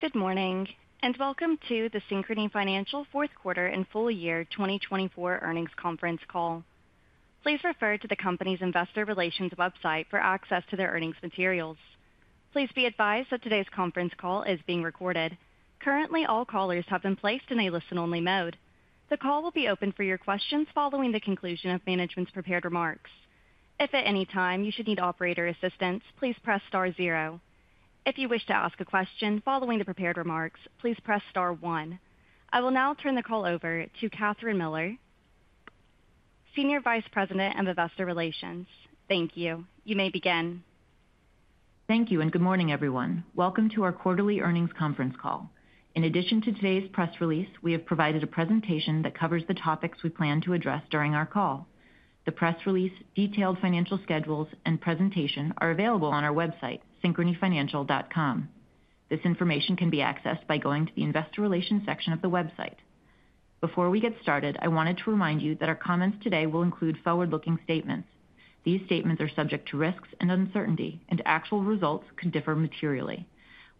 Good morning and welcome to the Synchrony Financial Fourth Quarter and Full Year 2024 Earnings Conference Call. Please refer to the company's Investor Relations website for access to their earnings materials. Please be advised that today's conference call is being recorded. Currently, all callers have been placed in a listen-only mode. The call will be open for your questions following the conclusion of management's prepared remarks. If at any time you should need operator assistance, please press star zero. If you wish to ask a question following the prepared remarks, please press star one. I will now turn the call over to Kathryn Miller, Senior Vice President of Investor Relations. Thank you. You may begin. Thank you and good morning, everyone. Welcome to our Quarterly Earnings Conference Call. In addition to today's press release, we have provided a presentation that covers the topics we plan to address during our call. The press release, detailed financial schedules, and presentation are available on our website, synchronyfinancial.com. This information can be accessed by going to the Investor Relations section of the website. Before we get started, I wanted to remind you that our comments today will include forward-looking statements. These statements are subject to risks and uncertainty, and actual results can differ materially.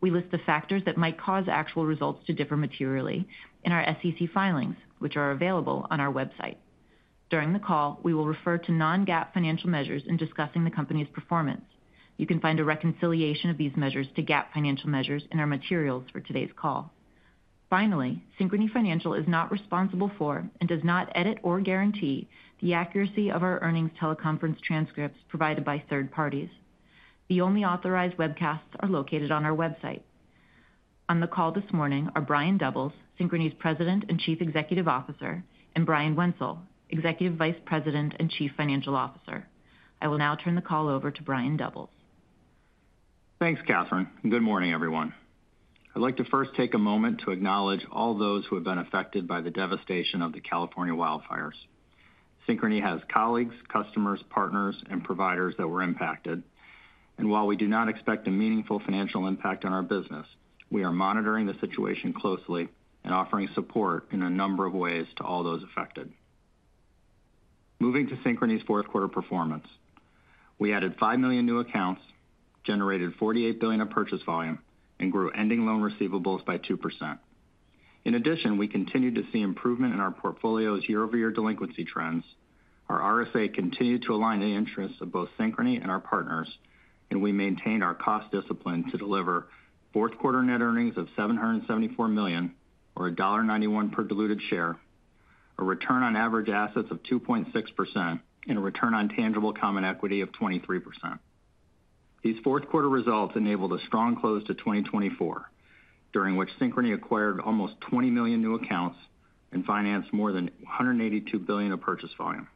We list the factors that might cause actual results to differ materially in our SEC filings, which are available on our website. During the call, we will refer to non-GAAP financial measures in discussing the company's performance. You can find a reconciliation of these measures to GAAP financial measures in our materials for today's call. Finally, Synchrony Financial is not responsible for and does not edit or guarantee the accuracy of our earnings teleconference transcripts provided by third parties. The only authorized webcasts are located on our website. On the call this morning are Brian Doubles, Synchrony's President and Chief Executive Officer, and Brian Wenzel, Executive Vice President and Chief Financial Officer. I will now turn the call over to Brian Doubles. Thanks, Kathryn. Good morning, everyone. I'd like to first take a moment to acknowledge all those who have been affected by the devastation of the California wildfires. Synchrony has colleagues, customers, partners, and providers that were impacted. And while we do not expect a meaningful financial impact on our business, we are monitoring the situation closely and offering support in a number of ways to all those affected. Moving to Synchrony's fourth quarter performance, we added 5 million new accounts, generated $48 billion in purchase volume, and grew ending loan receivables by 2%. In addition, we continue to see improvement in our portfolio's year-over-year delinquency trends. Our RSA continued to align the interests of both Synchrony and our partners, and we maintain our cost discipline to deliver fourth quarter net earnings of $774 million, or $1.91 per diluted share, a return on average assets of 2.6%, and a return on tangible common equity of 23%. These fourth quarter results enabled a strong close to 2024, during which Synchrony acquired almost 20 million new accounts and financed more than $182 billion of purchase volume.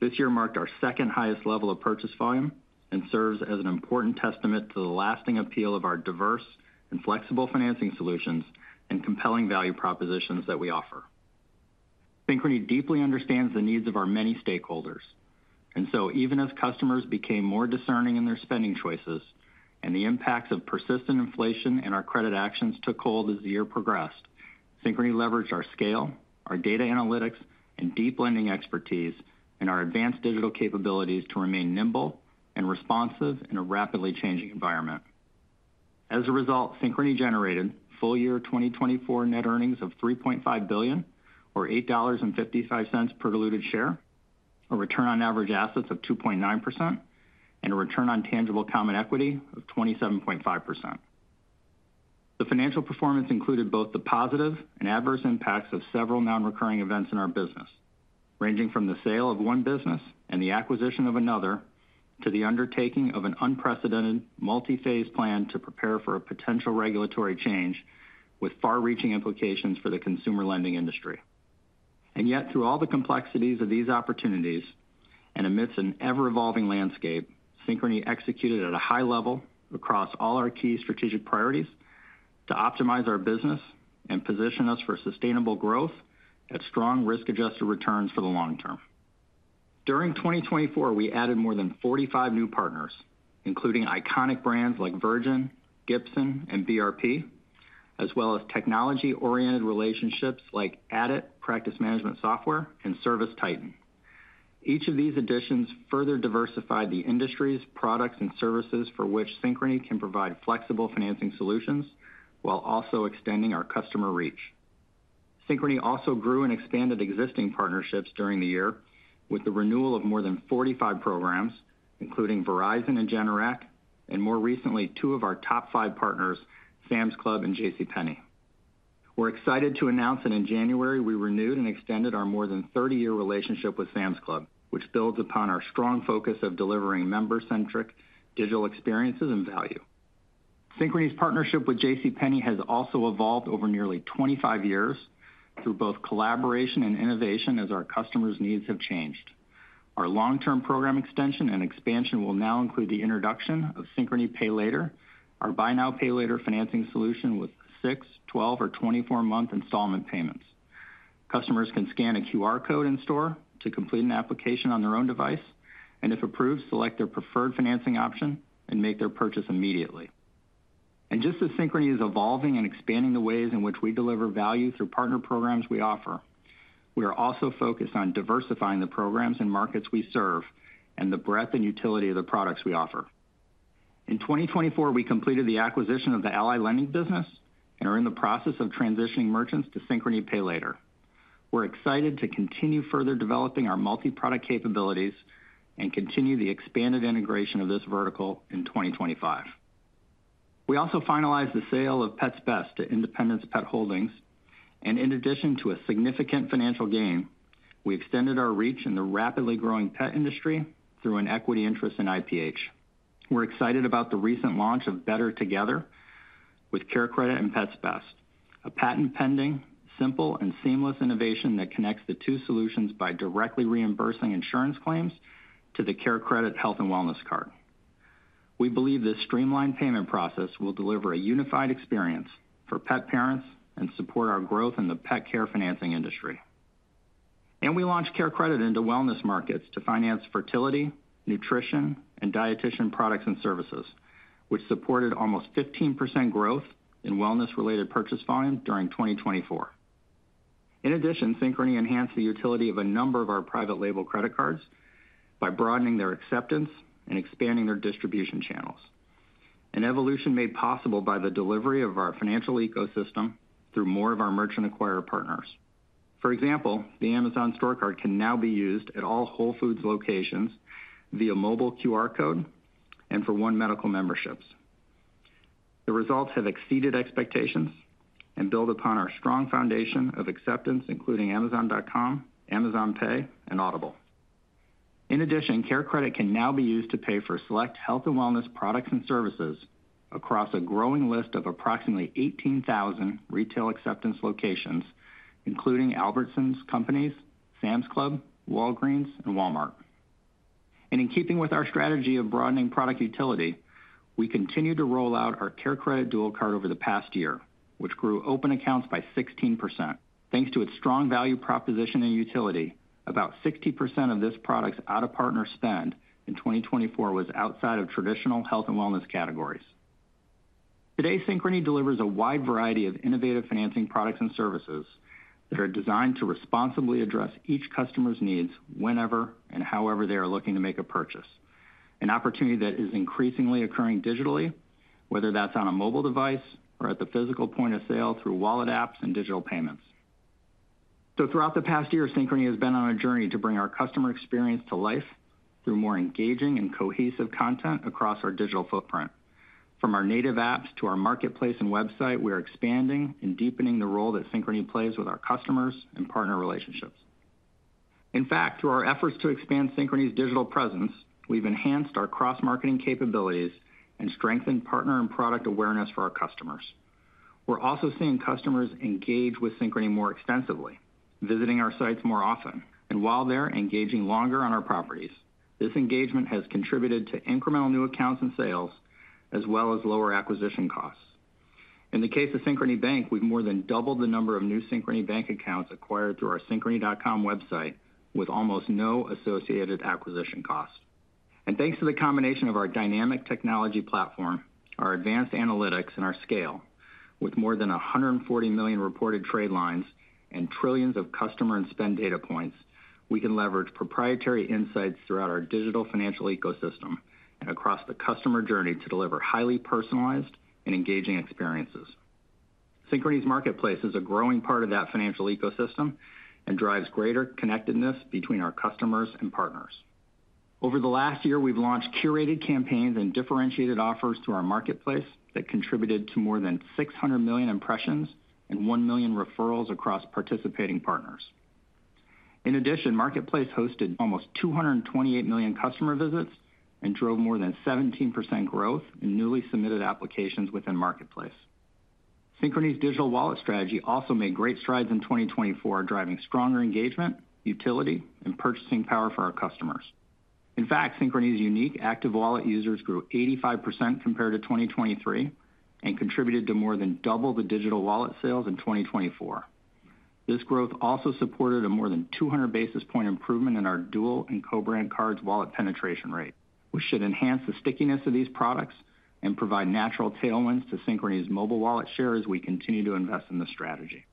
This year marked our second highest level of purchase volume and serves as an important testament to the lasting appeal of our diverse and flexible financing solutions and compelling value propositions that we offer. Synchrony deeply understands the needs of our many stakeholders. And so, even as customers became more discerning in their spending choices and the impacts of persistent inflation and our credit actions took hold as the year progressed, Synchrony leveraged our scale, our data analytics, and deep lending expertise, and our advanced digital capabilities to remain nimble and responsive in a rapidly changing environment. As a result, Synchrony generated full year 2024 net earnings of $3.5 billion, or $8.55 per diluted share, a return on average assets of 2.9%, and a return on tangible common equity of 27.5%. The financial performance included both the positive and adverse impacts of several non-recurring events in our business, ranging from the sale of one business and the acquisition of another to the undertaking of an unprecedented multi-phase plan to prepare for a potential regulatory change with far-reaching implications for the consumer lending industry. And yet, through all the complexities of these opportunities and amidst an ever-evolving landscape, Synchrony executed at a high level across all our key strategic priorities to optimize our business and position us for sustainable growth at strong risk-adjusted returns for the long term. During 2024, we added more than 45 new partners, including iconic brands like Virgin, Gibson, and BRP, as well as technology-oriented relationships like Adit Practice Management Software and ServiceTitan. Each of these additions further diversified the industries, products, and services for which Synchrony can provide flexible financing solutions while also extending our customer reach. Synchrony also grew and expanded existing partnerships during the year with the renewal of more than 45 programs, including Verizon and Generac, and more recently, two of our top five partners, Sam's Club and JCPenney. We're excited to announce that in January, we renewed and extended our more than 30-year relationship with Sam's Club, which builds upon our strong focus of delivering member-centric digital experiences and value. Synchrony's partnership with JCPenney has also evolved over nearly 25 years through both collaboration and innovation as our customers' needs have changed. Our long-term program extension and expansion will now include the introduction of Synchrony Pay Later, our buy-now-pay-later financing solution with 6, 12, or 24-month installment payments. Customers can scan a QR code in store to complete an application on their own device, and if approved, select their preferred financing option and make their purchase immediately, and just as Synchrony is evolving and expanding the ways in which we deliver value through partner programs we offer, we are also focused on diversifying the programs and markets we serve and the breadth and utility of the products we offer. In 2024, we completed the acquisition of the Ally Lending business and are in the process of transitioning merchants to Synchrony Pay Later. We're excited to continue further developing our multi-product capabilities and continue the expanded integration of this vertical in 2025. We also finalized the sale of Pets Best to Independence Pet Holdings, and in addition to a significant financial gain, we extended our reach in the rapidly growing pet industry through an equity interest in IPH. We're excited about the recent launch of Better Together with CareCredit and Pets Best, a patent-pending, simple, and seamless innovation that connects the two solutions by directly reimbursing insurance claims to the CareCredit Health and Wellness Card. We believe this streamlined payment process will deliver a unified experience for pet parents and support our growth in the pet care financing industry. We launched CareCredit into wellness markets to finance fertility, nutrition, and dietitian products and services, which supported almost 15% growth in wellness-related purchase volume during 2024. In addition, Synchrony enhanced the utility of a number of our private label credit cards by broadening their acceptance and expanding their distribution channels, an evolution made possible by the delivery of our financial ecosystem through more of our merchant-acquired partners. For example, the Amazon Store Card can now be used at all Whole Foods locations via mobile QR code and for One Medical memberships. The results have exceeded expectations and build upon our strong foundation of acceptance, including Amazon.com, Amazon Pay, and Audible. In addition, CareCredit can now be used to pay for select health and wellness products and services across a growing list of approximately 18,000 retail acceptance locations, including Albertsons Companies, Sam's Club, Walgreens, and Walmart. In keeping with our strategy of broadening product utility, we continued to roll out our CareCredit Dual Card over the past year, which grew open accounts by 16%. Thanks to its strong value proposition and utility, about 60% of this product's out-of-partner spend in 2024 was outside of traditional health and wellness categories. Today, Synchrony delivers a wide variety of innovative financing products and services that are designed to responsibly address each customer's needs whenever and however they are looking to make a purchase, an opportunity that is increasingly occurring digitally, whether that's on a mobile device or at the physical point of sale through wallet apps and digital payments. Throughout the past year, Synchrony has been on a journey to bring our customer experience to life through more engaging and cohesive content across our digital footprint. From our native apps to our marketplace and website, we are expanding and deepening the role that Synchrony plays with our customers and partner relationships. In fact, through our efforts to expand Synchrony's digital presence, we've enhanced our cross-marketing capabilities and strengthened partner and product awareness for our customers. We're also seeing customers engage with Synchrony more extensively, visiting our sites more often, and while they're engaging longer on our properties, this engagement has contributed to incremental new accounts and sales, as well as lower acquisition costs. In the case of Synchrony Bank, we've more than doubled the number of new Synchrony Bank accounts acquired through our Synchrony.com website with almost no associated acquisition cost. Thanks to the combination of our dynamic technology platform, our advanced analytics, and our scale, with more than 140 million reported trade lines and trillions of customer and spend data points, we can leverage proprietary insights throughout our digital financial ecosystem and across the customer journey to deliver highly personalized and engaging experiences. Synchrony's marketplace is a growing part of that financial ecosystem and drives greater connectedness between our customers and partners. Over the last year, we've launched curated campaigns and differentiated offers through our marketplace that contributed to more than 600 million impressions and one million referrals across participating partners. In addition, marketplace hosted almost 228 million customer visits and drove more than 17% growth in newly submitted applications within marketplace. Synchrony's digital wallet strategy also made great strides in 2024, driving stronger engagement, utility, and purchasing power for our customers. In fact, Synchrony's unique active wallet users grew 85% compared to 2023 and contributed to more than double the digital wallet sales in 2024. This growth also supported a more than 200 basis point improvement in our dual and co-brand cards wallet penetration rate, which should enhance the stickiness of these products and provide natural tailwinds to Synchrony's mobile wallet share as we continue to invest in the strategy.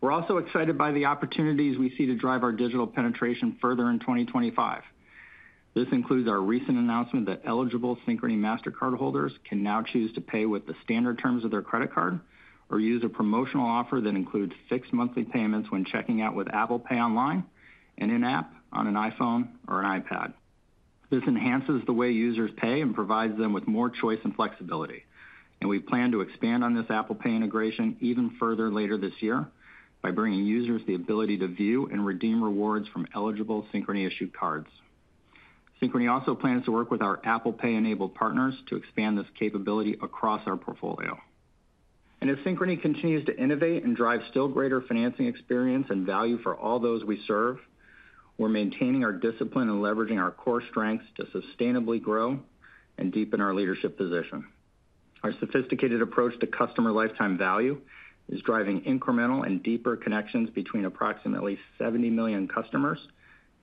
We're also excited by the opportunities we see to drive our digital penetration further in 2025. This includes our recent announcement that eligible Synchrony Mastercard holders can now choose to pay with the standard terms of their credit card or use a promotional offer that includes fixed monthly payments when checking out with Apple Pay online and in-app on an iPhone or an iPad. This enhances the way users pay and provides them with more choice and flexibility. We plan to expand on this Apple Pay integration even further later this year by bringing users the ability to view and redeem rewards from eligible Synchrony-issued cards. Synchrony also plans to work with our Apple Pay-enabled partners to expand this capability across our portfolio. And as Synchrony continues to innovate and drive still greater financing experience and value for all those we serve, we're maintaining our discipline and leveraging our core strengths to sustainably grow and deepen our leadership position. Our sophisticated approach to customer lifetime value is driving incremental and deeper connections between approximately 70 million customers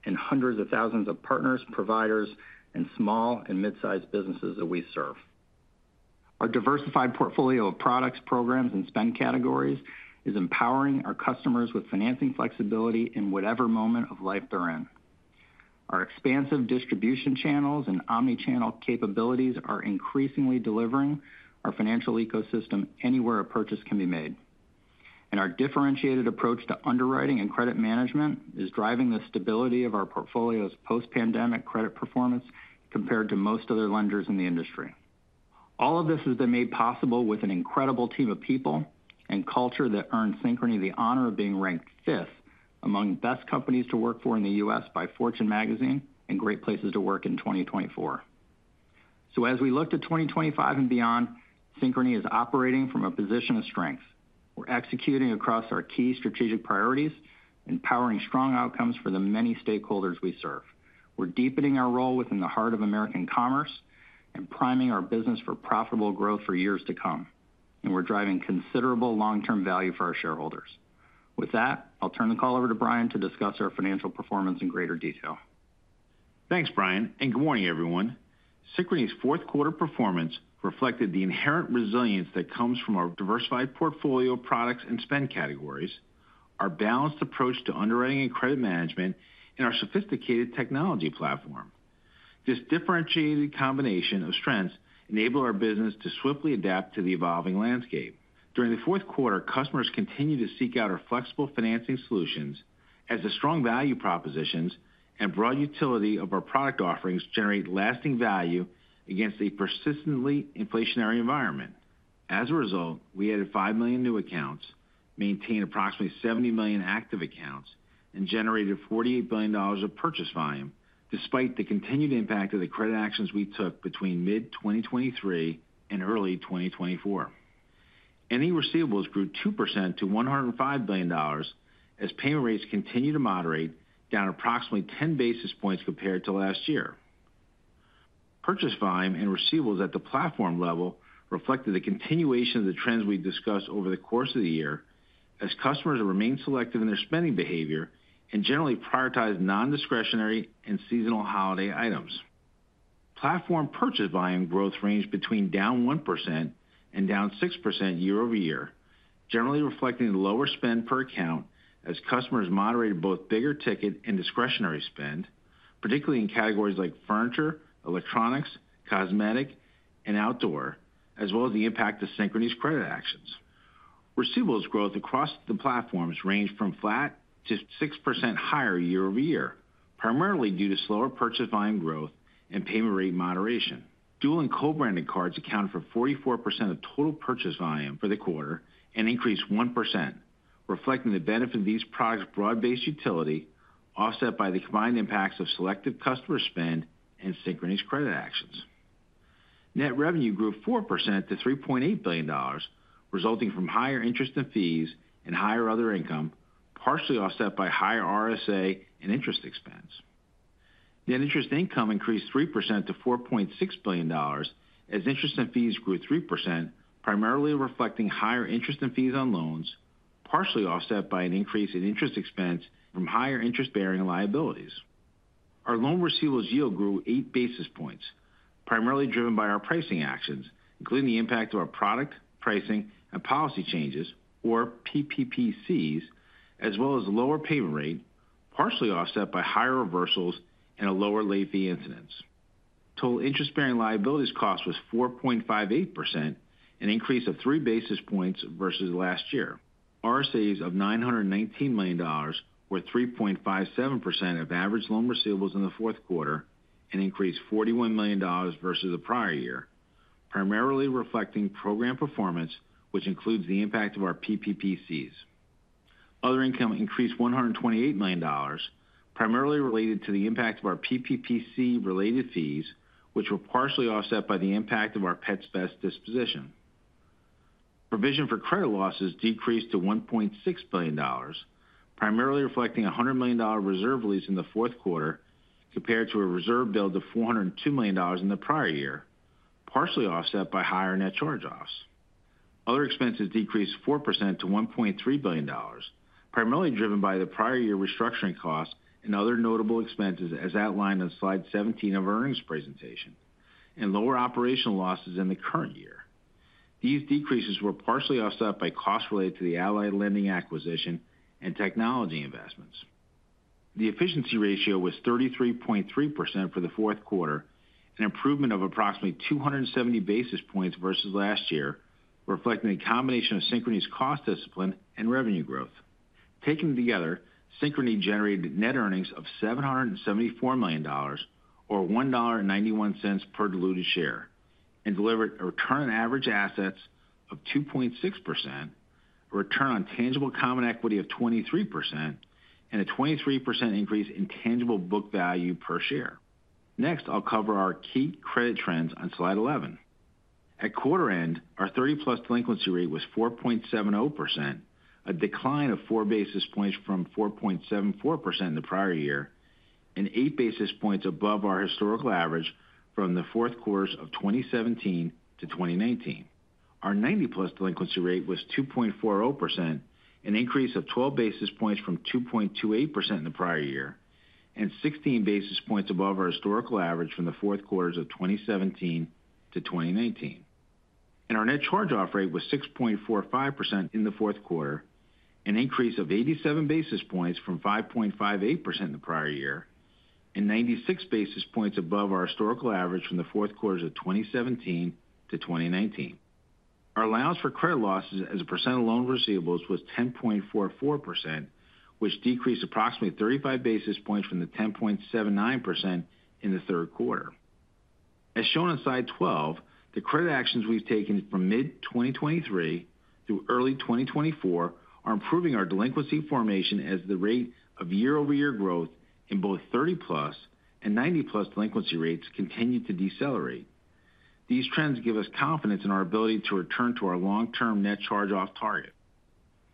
and hundreds of thousands of partners, providers, and small and mid-sized businesses that we serve. Our diversified portfolio of products, programs, and spend categories is empowering our customers with financing flexibility in whatever moment of life they're in. Our expansive distribution channels and omnichannel capabilities are increasingly delivering our financial ecosystem anywhere a purchase can be made. And our differentiated approach to underwriting and credit management is driving the stability of our portfolio's post-pandemic credit performance compared to most other lenders in the industry. All of this has been made possible with an incredible team of people and culture that earned Synchrony the honor of being ranked fifth among best companies to work for in the U.S. by Fortune Magazine and Great Place to Work in 2024. So as we look to 2025 and beyond, Synchrony is operating from a position of strength. We're executing across our key strategic priorities, empowering strong outcomes for the many stakeholders we serve. We're deepening our role within the heart of American commerce and priming our business for profitable growth for years to come. We're driving considerable long-term value for our shareholders. With that, I'll turn the call over to Brian to discuss our financial performance in greater detail. Thanks, Brian. And good morning, everyone. Synchrony's fourth-quarter performance reflected the inherent resilience that comes from our diversified portfolio of products and spend categories, our balanced approach to underwriting and credit management, and our sophisticated technology platform. This differentiated combination of strengths enabled our business to swiftly adapt to the evolving landscape. During the fourth quarter, customers continued to seek out our flexible financing solutions as the strong value propositions and broad utility of our product offerings generate lasting value against a persistently inflationary environment. As a result, we added five million new accounts, maintained approximately 70 million active accounts, and generated $48 billion of purchase volume despite the continued impact of the credit actions we took between mid-2023 and early 2024. Net receivables grew 2% to $105 billion as payment rates continued to moderate down approximately 10 basis points compared to last year. Purchase volume and receivables at the platform level reflected the continuation of the trends we discussed over the course of the year as customers remain selective in their spending behavior and generally prioritize non-discretionary and seasonal holiday items. Platform purchase volume growth ranged between down 1% and down 6% year over year, generally reflecting lower spend per account as customers moderated both bigger ticket and discretionary spend, particularly in categories like furniture, electronics, cosmetic, and outdoor, as well as the impact of Synchrony's credit actions. Receivables growth across the platforms ranged from flat to 6% higher year over year, primarily due to slower purchase volume growth and payment rate moderation. Dual and co-branded cards accounted for 44% of total purchase volume for the quarter and increased 1%, reflecting the benefit of these products' broad-based utility offset by the combined impacts of selective customer spend and Synchrony's credit actions. Net revenue grew 4% to $3.8 billion, resulting from higher interest and fees and higher other income, partially offset by higher RSA and interest expense. Net interest income increased 3% to $4.6 billion as interest and fees grew 3%, primarily reflecting higher interest and fees on loans, partially offset by an increase in interest expense from higher interest-bearing liabilities. Our loan receivables yield grew eight basis points, primarily driven by our pricing actions, including the impact of our product pricing and policy changes, or PPPCs, as well as lower payment rate, partially offset by higher reversals and a lower late fee incidence. Total interest-bearing liabilities cost was 4.58%, an increase of three basis points versus last year. RSAs of $919 million were 3.57% of average loan receivables in the fourth quarter and increased $41 million versus the prior year, primarily reflecting program performance, which includes the impact of our PPPCs. Other income increased $128 million, primarily related to the impact of our PPPC-related fees, which were partially offset by the impact of our Pets Best disposition. Provision for credit losses decreased to $1.6 billion, primarily reflecting $100 million reserve release in the fourth quarter compared to a reserve build of $402 million in the prior year, partially offset by higher net charge-offs. Other expenses decreased 4% to $1.3 billion, primarily driven by the prior year restructuring costs and other notable expenses as outlined on slide 17 of our earnings presentation, and lower operational losses in the current year. These decreases were partially offset by costs related to the Ally Lending acquisition and technology investments. The efficiency ratio was 33.3% for the fourth quarter, an improvement of approximately 270 basis points versus last year, reflecting the combination of Synchrony's cost discipline and revenue growth. Taken together, Synchrony generated net earnings of $774 million, or $1.91 per diluted share, and delivered a return on average assets of 2.6%, a return on tangible common equity of 23%, and a 23% increase in tangible book value per share. Next, I'll cover our key credit trends on slide 11. At quarter end, our 30-plus delinquency rate was 4.70%, a decline of four basis points from 4.74% in the prior year, and 8 basis points above our historical average from the fourth quarters of 2017 to 2019. Our 90-plus delinquency rate was 2.40%, an increase of 12 basis points from 2.28% in the prior year, and 16 basis points above our historical average from the fourth quarters of 2017 to 2019, and our net charge-off rate was 6.45% in the fourth quarter, an increase of 87 basis points from 5.58% in the prior year, and 96 basis points above our historical average from the fourth quarters of 2017 to 2019. Our allowance for credit losses as a percent of loan receivables was 10.44%, which decreased approximately 35 basis points from the 10.79% in the third quarter. As shown on slide 12, the credit actions we've taken from mid-2023 through early 2024 are improving our delinquency formation as the rate of year-over-year growth in both 30-plus and 90-plus delinquency rates continue to decelerate. These trends give us confidence in our ability to return to our long-term net charge-off target.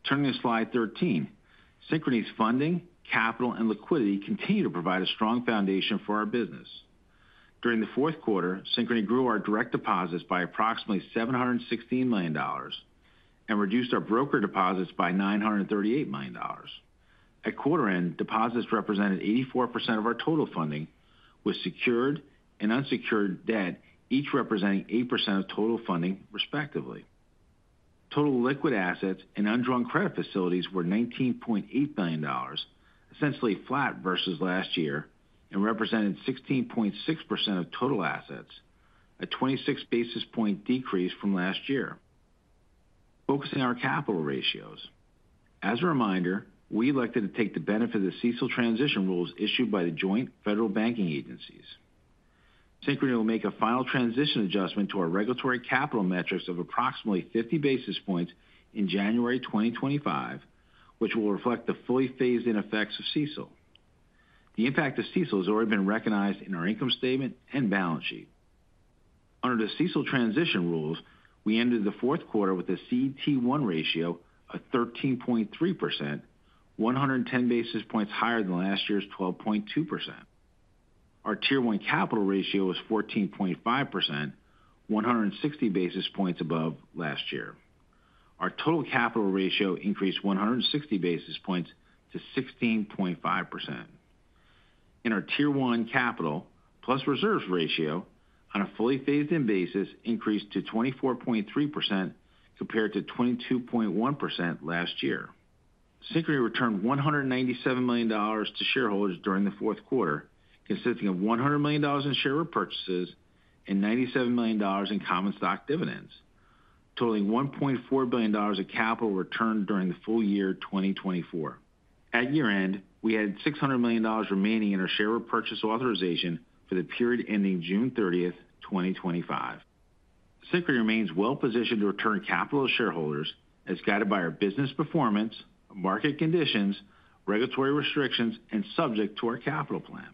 Turning to slide 13, Synchrony's funding, capital, and liquidity continue to provide a strong foundation for our business. During the fourth quarter, Synchrony grew our direct deposits by approximately $716 million and reduced our broker deposits by $938 million. At quarter end, deposits represented 84% of our total funding, with secured and unsecured debt each representing 8% of total funding, respectively. Total liquid assets and undrawn credit facilities were $19.8 billion, essentially flat versus last year, and represented 16.6% of total assets, a 26 basis point decrease from last year. Focusing on our capital ratios. As a reminder, we elected to take the benefit of the CECL transition rules issued by the joint federal banking agencies. Synchrony will make a final transition adjustment to our regulatory capital metrics of approximately 50 basis points in January 2025, which will reflect the fully phased-in effects of CECL. The impact of CECL has already been recognized in our income statement and balance sheet. Under the CECL transition rules, we ended the fourth quarter with a CET1 ratio of 13.3%, 110 basis points higher than last year's 12.2%. Our Tier 1 capital ratio was 14.5%, 160 basis points above last year. Our total capital ratio increased 160 basis points to 16.5%, and our Tier 1 capital plus reserves ratio on a fully phased-in basis increased to 24.3% compared to 22.1% last year. Synchrony returned $197 million to shareholders during the fourth quarter, consisting of $100 million in share repurchases and $97 million in common stock dividends, totaling $1.4 billion of capital returned during the full year 2024. At year end, we had $600 million remaining in our share repurchase authorization for the period ending June 30, 2025. Synchrony remains well-positioned to return capital to shareholders as guided by our business performance, market conditions, regulatory restrictions, and subject to our capital plan.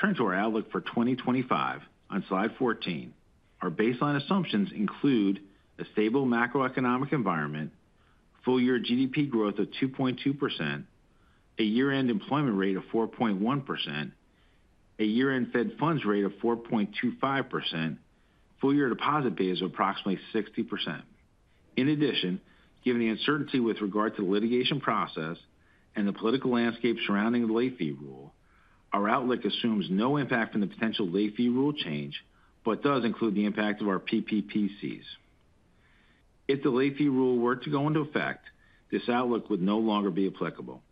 Turn to our outlook for 2025 on slide 14. Our baseline assumptions include a stable macroeconomic environment, full-year GDP growth of 2.2%, a year-end employment rate of 4.1%, a year-end Fed funds rate of 4.25%, full-year deposit beta is approximately 60%. In addition, given the uncertainty with regard to the litigation process and the political landscape surrounding the late fee rule, our outlook assumes no impact on the potential late fee rule change, but does include the impact of our PPPCs. If the late fee rule were to go into effect, this outlook would no longer be applicable.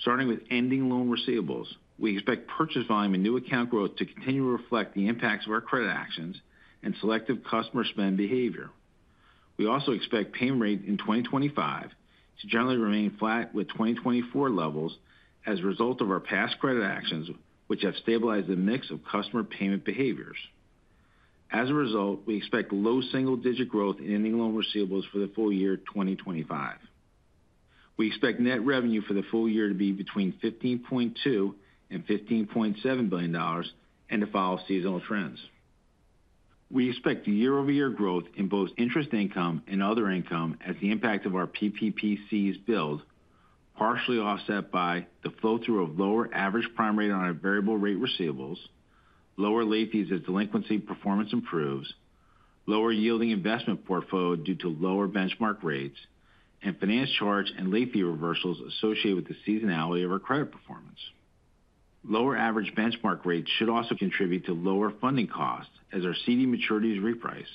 Starting with ending loan receivables, we expect purchase volume and new account growth to continue to reflect the impacts of our credit actions and selective customer spend behavior. We also expect payment rate in 2025 to generally remain flat with 2024 levels as a result of our past credit actions, which have stabilized the mix of customer payment behaviors. As a result, we expect low single-digit growth in ending loan receivables for the full year 2025. We expect net revenue for the full year to be between $15.2 and $15.7 billion and to follow seasonal trends. We expect year-over-year growth in both interest income and other income as the impact of our PPPCs build, partially offset by the flow-through of lower average prime rate on our variable rate receivables, lower late fees as delinquency performance improves, lower yielding investment portfolio due to lower benchmark rates, and finance charge and late fee reversals associated with the seasonality of our credit performance. Lower average benchmark rates should also contribute to lower funding costs as our CD maturities reprice,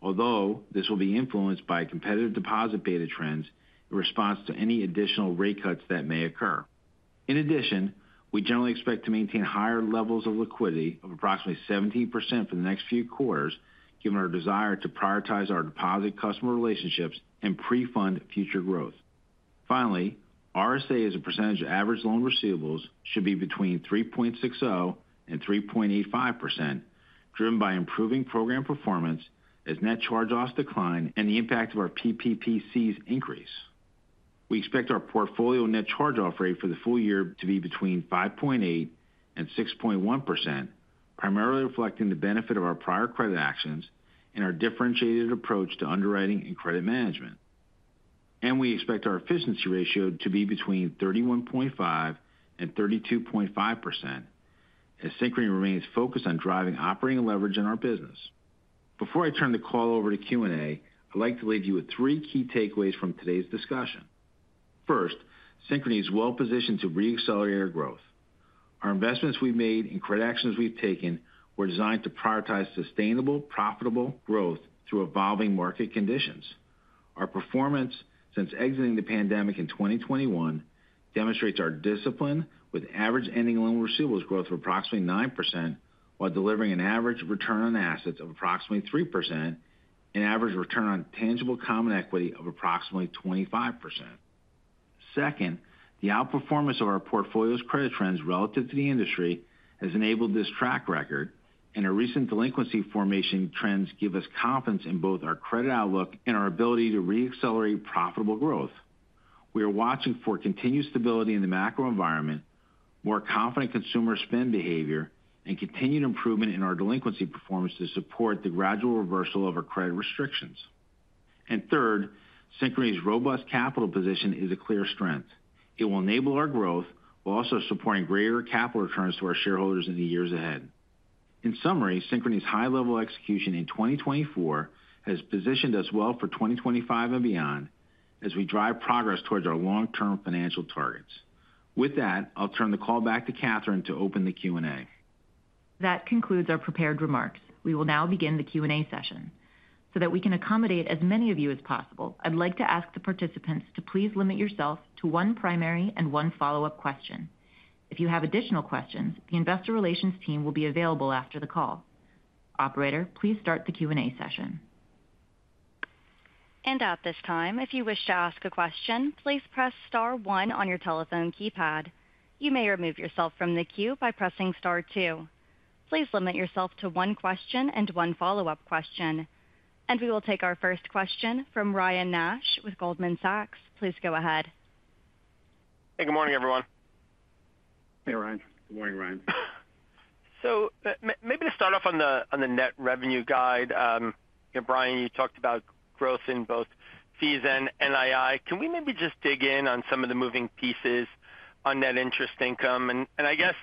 although this will be influenced by competitive deposit beta trends in response to any additional rate cuts that may occur. In addition, we generally expect to maintain higher levels of liquidity of approximately 17% for the next few quarters, given our desire to prioritize our deposit customer relationships and prefund future growth. Finally, RSA as a percentage of average loan receivables should be between 3.60% and 3.85%, driven by improving program performance as net charge-offs decline and the impact of our PPPCs increase. We expect our portfolio net charge-off rate for the full year to be between 5.8% and 6.1%, primarily reflecting the benefit of our prior credit actions and our differentiated approach to underwriting and credit management. We expect our efficiency ratio to be between 31.5% and 32.5% as Synchrony remains focused on driving operating leverage in our business. Before I turn the call over to Q&A, I'd like to leave you with three key takeaways from today's discussion. First, Synchrony is well-positioned to re-accelerate our growth. Our investments we've made and credit actions we've taken were designed to prioritize sustainable, profitable growth through evolving market conditions. Our performance since exiting the pandemic in 2021 demonstrates our discipline with average ending loan receivables growth of approximately 9% while delivering an average return on assets of approximately 3% and average return on tangible common equity of approximately 25%. Second, the outperformance of our portfolio's credit trends relative to the industry has enabled this track record, and our recent delinquency formation trends give us confidence in both our credit outlook and our ability to re-accelerate profitable growth. We are watching for continued stability in the macro environment, more confident consumer spend behavior, and continued improvement in our delinquency performance to support the gradual reversal of our credit restrictions. And third, Synchrony's robust capital position is a clear strength. It will enable our growth while also supporting greater capital returns to our shareholders in the years ahead. In summary, Synchrony's high-level execution in 2024 has positioned us well for 2025 and beyond as we drive progress towards our long-term financial targets. With that, I'll turn the call back to Kathryn to open the Q&A. That concludes our prepared remarks. We will now begin the Q&A session. So that we can accommodate as many of you as possible, I'd like to ask the participants to please limit yourself to one primary and one follow-up question. If you have additional questions, the investor relations team will be available after the call. Operator, please start the Q&A session. And at this time, if you wish to ask a question, please press Star one on your telephone keypad. You may remove yourself from the queue by pressing Star two. Please limit yourself to one question and one follow-up question. And we will take our first question from Ryan Nash with Goldman Sachs. Please go ahead. Hey, good morning, everyone. Hey, Ryan. Good morning, Ryan. So maybe to start off on the net revenue guide, Brian, you talked about growth in both fees and NII. Can we maybe just dig in on some of the moving pieces on net interest income? And I guess,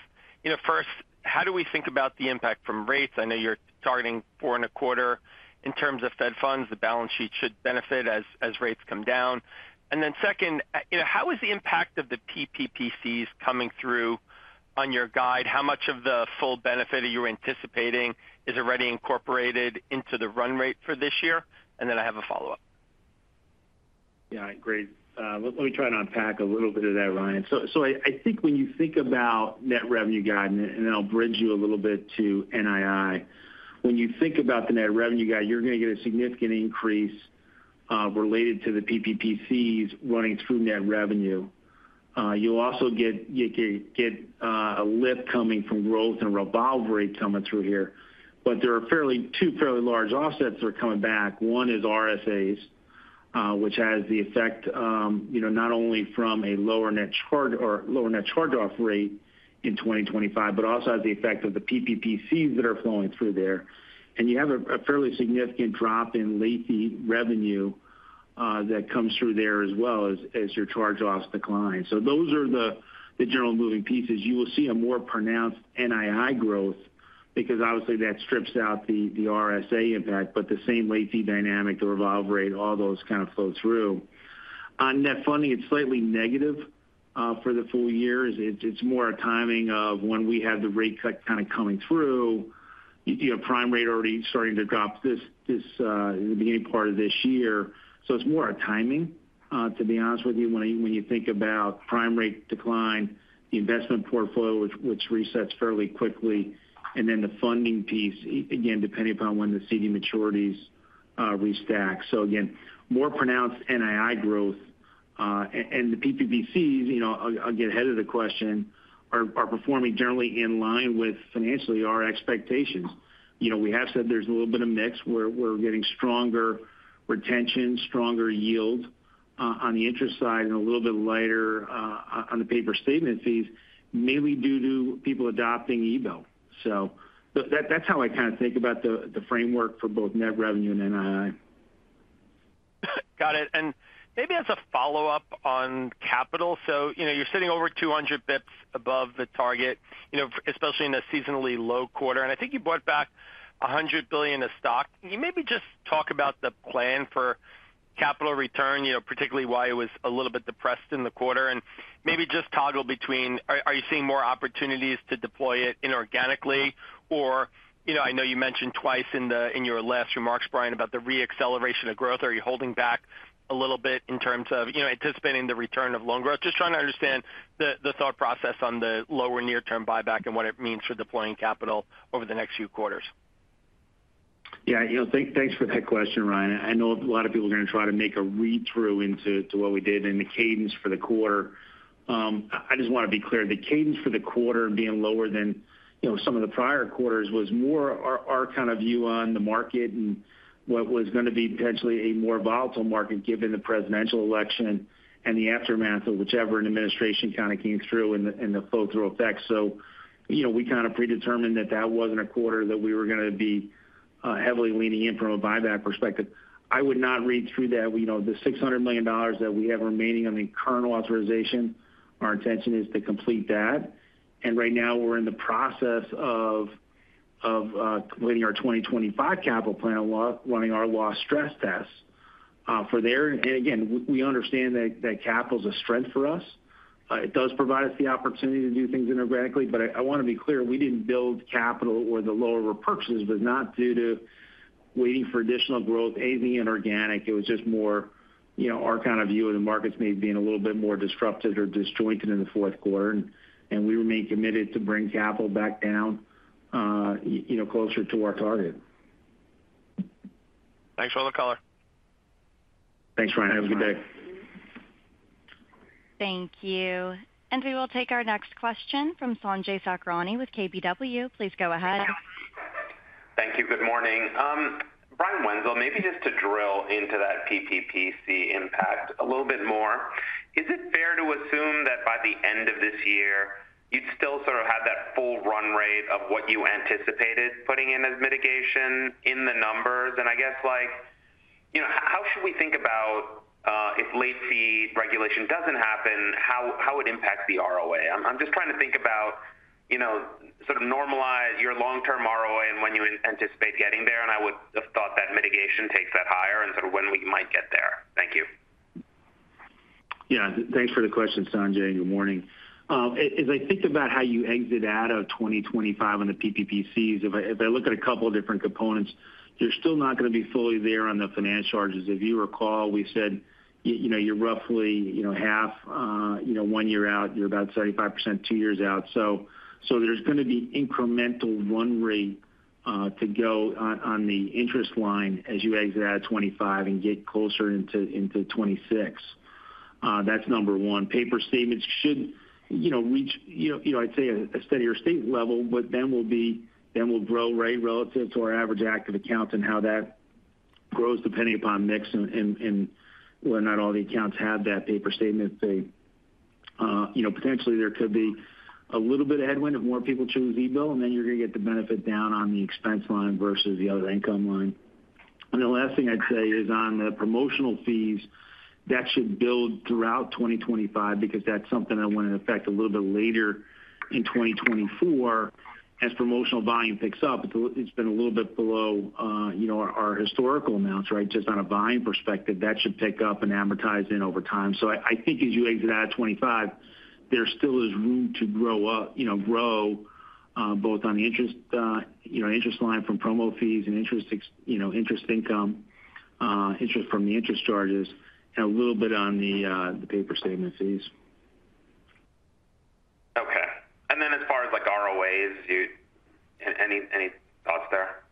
first, how do we think about the impact from rates? I know you're targeting four and a quarter. In terms of Fed funds, the balance sheet should benefit as rates come down. And then second, how is the impact of the PPPCs coming through on your guide? How much of the full benefit that you're anticipating is already incorporated into the run rate for this year? And then I have a follow-up. Yeah, great. Let me try and unpack a little bit of that, Ryan. So I think when you think about net revenue guide, and then I'll bridge you a little bit to NII. When you think about the net revenue guide, you're going to get a significant increase related to the PPPCs running through net revenue. You'll also get a lift coming from growth and revolve rate coming through here. But there are two fairly large offsets that are coming back. One is RSAs, which has the effect not only from a lower net charge-off rate in 2025, but also has the effect of the PPPCs that are flowing through there. And you have a fairly significant drop in late fee revenue that comes through there as well as your charge-offs decline. So those are the general moving pieces. You will see a more pronounced NII growth because, obviously, that strips out the RSA impact, but the same late fee dynamic, the revolve rate, all those kind of flow through. On net funding, it's slightly negative for the full year. It's more a timing of when we have the rate cut kind of coming through. You have prime rate already starting to drop in the beginning part of this year. So it's more a timing, to be honest with you, when you think about prime rate decline, the investment portfolio, which resets fairly quickly, and then the funding piece, again, depending upon when the CD maturities restack. So again, more pronounced NII growth. And the PPPCs, again, ahead of the question, are performing generally in line with financially our expectations. We have said there's a little bit of mix where we're getting stronger retention, stronger yield on the interest side, and a little bit lighter on the paper statement fees, mainly due to people adopting eBill. So that's how I kind of think about the framework for both net revenue and NII. Got it. And maybe as a follow-up on capital, so you're sitting over 200 basis points above the target, especially in a seasonally low quarter. And I think you bought back $100 million of stock. Can you maybe just talk about the plan for capital return, particularly why it was a little bit depressed in the quarter? And maybe just toggle between, are you seeing more opportunities to deploy it inorganically? Or I know you mentioned twice in your last remarks, Brian, about the re-acceleration of growth. Are you holding back a little bit in terms of anticipating the return of loan growth? Just trying to understand the thought process on the lower near-term buyback and what it means for deploying capital over the next few quarters. Yeah, thanks for that question, Ryan. I know a lot of people are going to try to make a read-through into what we did and the cadence for the quarter. I just want to be clear. The cadence for the quarter being lower than some of the prior quarters was more our kind of view on the market and what was going to be potentially a more volatile market given the presidential election and the aftermath of whichever administration kind of came through and the flow-through effect. So we kind of predetermined that that wasn't a quarter that we were going to be heavily leaning in from a buyback perspective. I would not read through that. The $600 million that we have remaining on the current authorization, our intention is to complete that. And right now, we're in the process of completing our 2025 capital plan and running our loss stress tests for there. And again, we understand that capital is a strength for us. It does provide us the opportunity to do things inorganically, but I want to be clear, we didn't build capital or the lower repurchases, but not due to waiting for additional growth, anything inorganic. It was just more our kind of view of the markets maybe being a little bit more disrupted or disjointed in the fourth quarter. And we remain committed to bring capital back down closer to our target. Thanks for the call. Thanks, Brian. Have a good day. Thank you. And we will take our next question from Sanjay Sakhrani with KBW. Please go ahead. Thank you. Good morning. Brian Wenzel, maybe just to drill into that PPPC impact a little bit more. Is it fair to assume that by the end of this year, you'd still sort of have that full run rate of what you anticipated putting in as mitigation in the numbers? And I guess, how should we think about if late fee regulation doesn't happen, how it impacts the ROA? I'm just trying to think about sort of normalize your long-term ROA and when you anticipate getting there. And I would have thought that mitigation takes that higher and sort of when we might get there. Thank you. Yeah, thanks for the question, Sanjay. Good morning. As I think about how you exit out of 2025 on the PPPCs, if I look at a couple of different components, you're still not going to be fully there on the finance charges. If you recall, we said you're roughly half one year out, you're about 75% two years out. So there's going to be incremental run rate to go on the interest line as you exit out of 2025 and get closer into 2026. That's number one. Paper statements should reach, I'd say, a steadier state level, but then we'll growth rate relative to our average active account and how that grows depending upon mix and whether or not all the accounts have that paper statement. Potentially, there could be a little bit of headwind if more people choose eBill, and then you're going to get the benefit down on the expense line versus the other income line. The last thing I'd say is on the promotional fees, that should build throughout 2025 because that's something that went into effect a little bit later in 2024 as promotional volume picks up. It's been a little bit below our historical amounts, right? Just on a volume perspective, that should pick up and amortize in over time. I think as you exit out of 25, there still is room to grow both on the interest line from promo fees and interest income, interest from the interest charges, and a little bit on the paper statement fees. Okay. As far as ROAs, any thoughts there?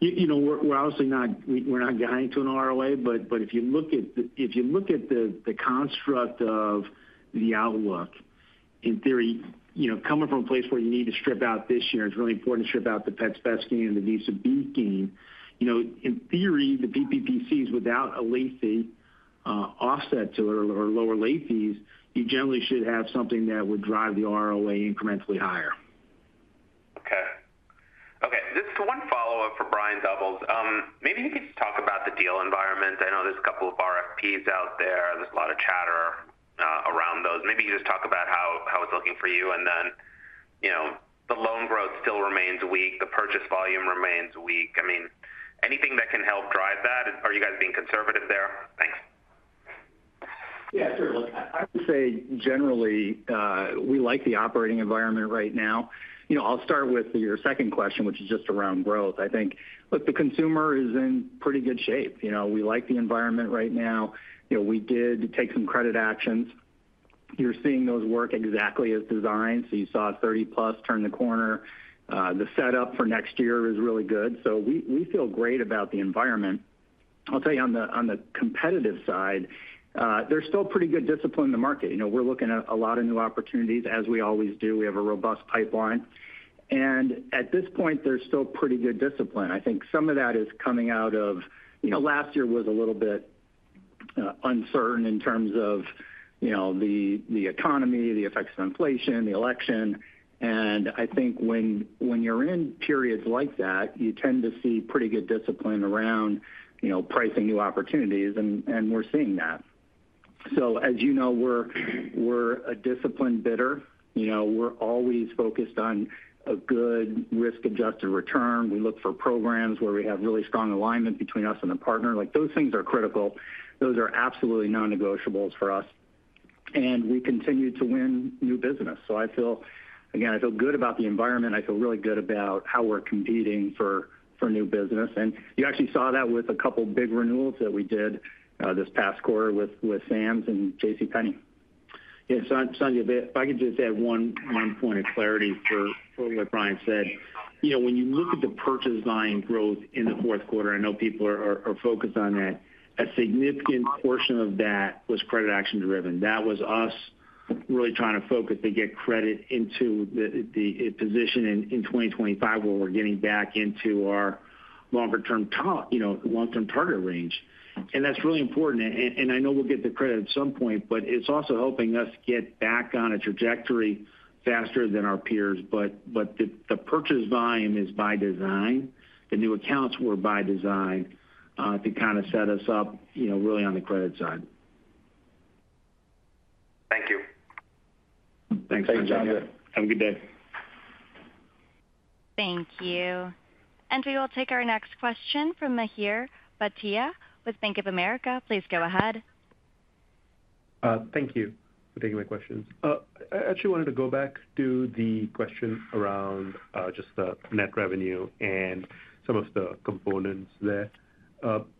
We're obviously not going to an ROA, but if you look at the construct of the outlook, in theory, coming from a place where you need to strip out this year, it's really important to strip out the Pets Best gain and the Visa B gain. In theory, the PPPCs without a late fee offset to it or lower late fees, you generally should have something that would drive the ROA incrementally higher. Okay. Okay. Just one follow-up for Brian Doubles. Maybe you could just talk about the deal environment. I know there's a couple of RFPs out there. There's a lot of chatter around those. Maybe you just talk about how it's looking for you. And then the loan growth still remains weak. The purchase volume remains weak. I mean, anything that can help drive that? Are you guys being conservative there? Thanks. Yeah, sure. Look, I would say generally, we like the operating environment right now. I'll start with your second question, which is just around growth. I think, look, the consumer is in pretty good shape. We like the environment right now. We did take some credit actions. You're seeing those work exactly as designed. So you saw 30-plus turn the corner. The setup for next year is really good. So we feel great about the environment. I'll tell you, on the competitive side, there's still pretty good discipline in the market. We're looking at a lot of new opportunities, as we always do. We have a robust pipeline. And at this point, there's still pretty good discipline. I think some of that is coming out of last year was a little bit uncertain in terms of the economy, the effects of inflation, the election. I think when you're in periods like that, you tend to see pretty good discipline around pricing new opportunities, and we're seeing that. So as you know, we're a disciplined bidder. We're always focused on a good risk-adjusted return. We look for programs where we have really strong alignment between us and the partner. Those things are critical. Those are absolutely non-negotiables for us. And we continue to win new business. So again, I feel good about the environment. I feel really good about how we're competing for new business. And you actually saw that with a couple of big renewals that we did this past quarter with Sam's and JCPenney. Yeah, Sanjay, if I could just add one point of clarity for what Brian said. When you look at the purchase line growth in the fourth quarter, I know people are focused on that. A significant portion of that was credit action driven. That was us really trying to focus to get credit into the position in 2025 where we're getting back into our longer-term target range. And that's really important. And I know we'll get the credit at some point, but it's also helping us get back on a trajectory faster than our peers. But the purchase volume is by design. The new accounts were by design to kind of set us up really on the credit side. Thank you. Thanks, Sanjay. Have a good day. Thank you. And we will take our next question from Mihir Bhatia with Bank of America. Please go ahead. Thank you for taking my questions. I actually wanted to go back to the question around just the net revenue and some of the components there.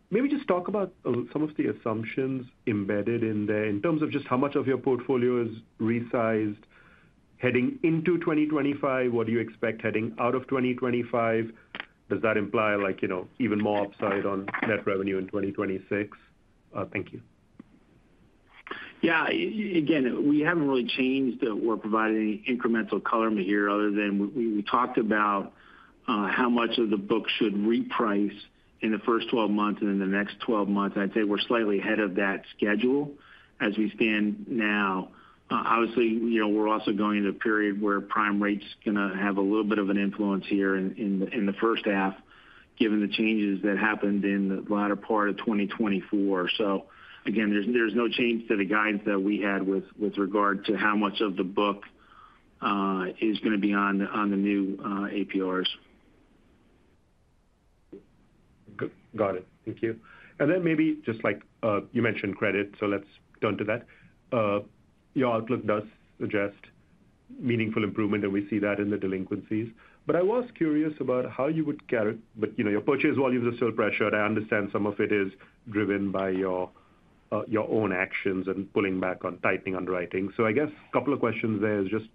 Maybe just talk about some of the assumptions embedded in there in terms of just how much of your portfolio is resized heading into 2025? What do you expect heading out of 2025? Does that imply even more upside on net revenue in 2026? Thank you. Yeah. Again, we haven't really changed that. We're providing incremental color, Mihir, other than we talked about how much of the book should reprice in the first 12 months and in the next 12 months. I'd say we're slightly ahead of that schedule as we stand now. Obviously, we're also going into a period where prime rate's going to have a little bit of an influence here in the first half, given the changes that happened in the latter part of 2024. So again, there's no change to the guidance that we had with regard to how much of the book is going to be on the new APRs. Got it. Thank you. And then maybe just like you mentioned credit, so let's turn to that. Your outlook does suggest meaningful improvement, and we see that in the delinquencies. But I was curious about how you would square, but your purchase volumes are still pressured. I understand some of it is driven by your own actions and pulling back on tightening underwriting. So I guess a couple of questions there. Is just,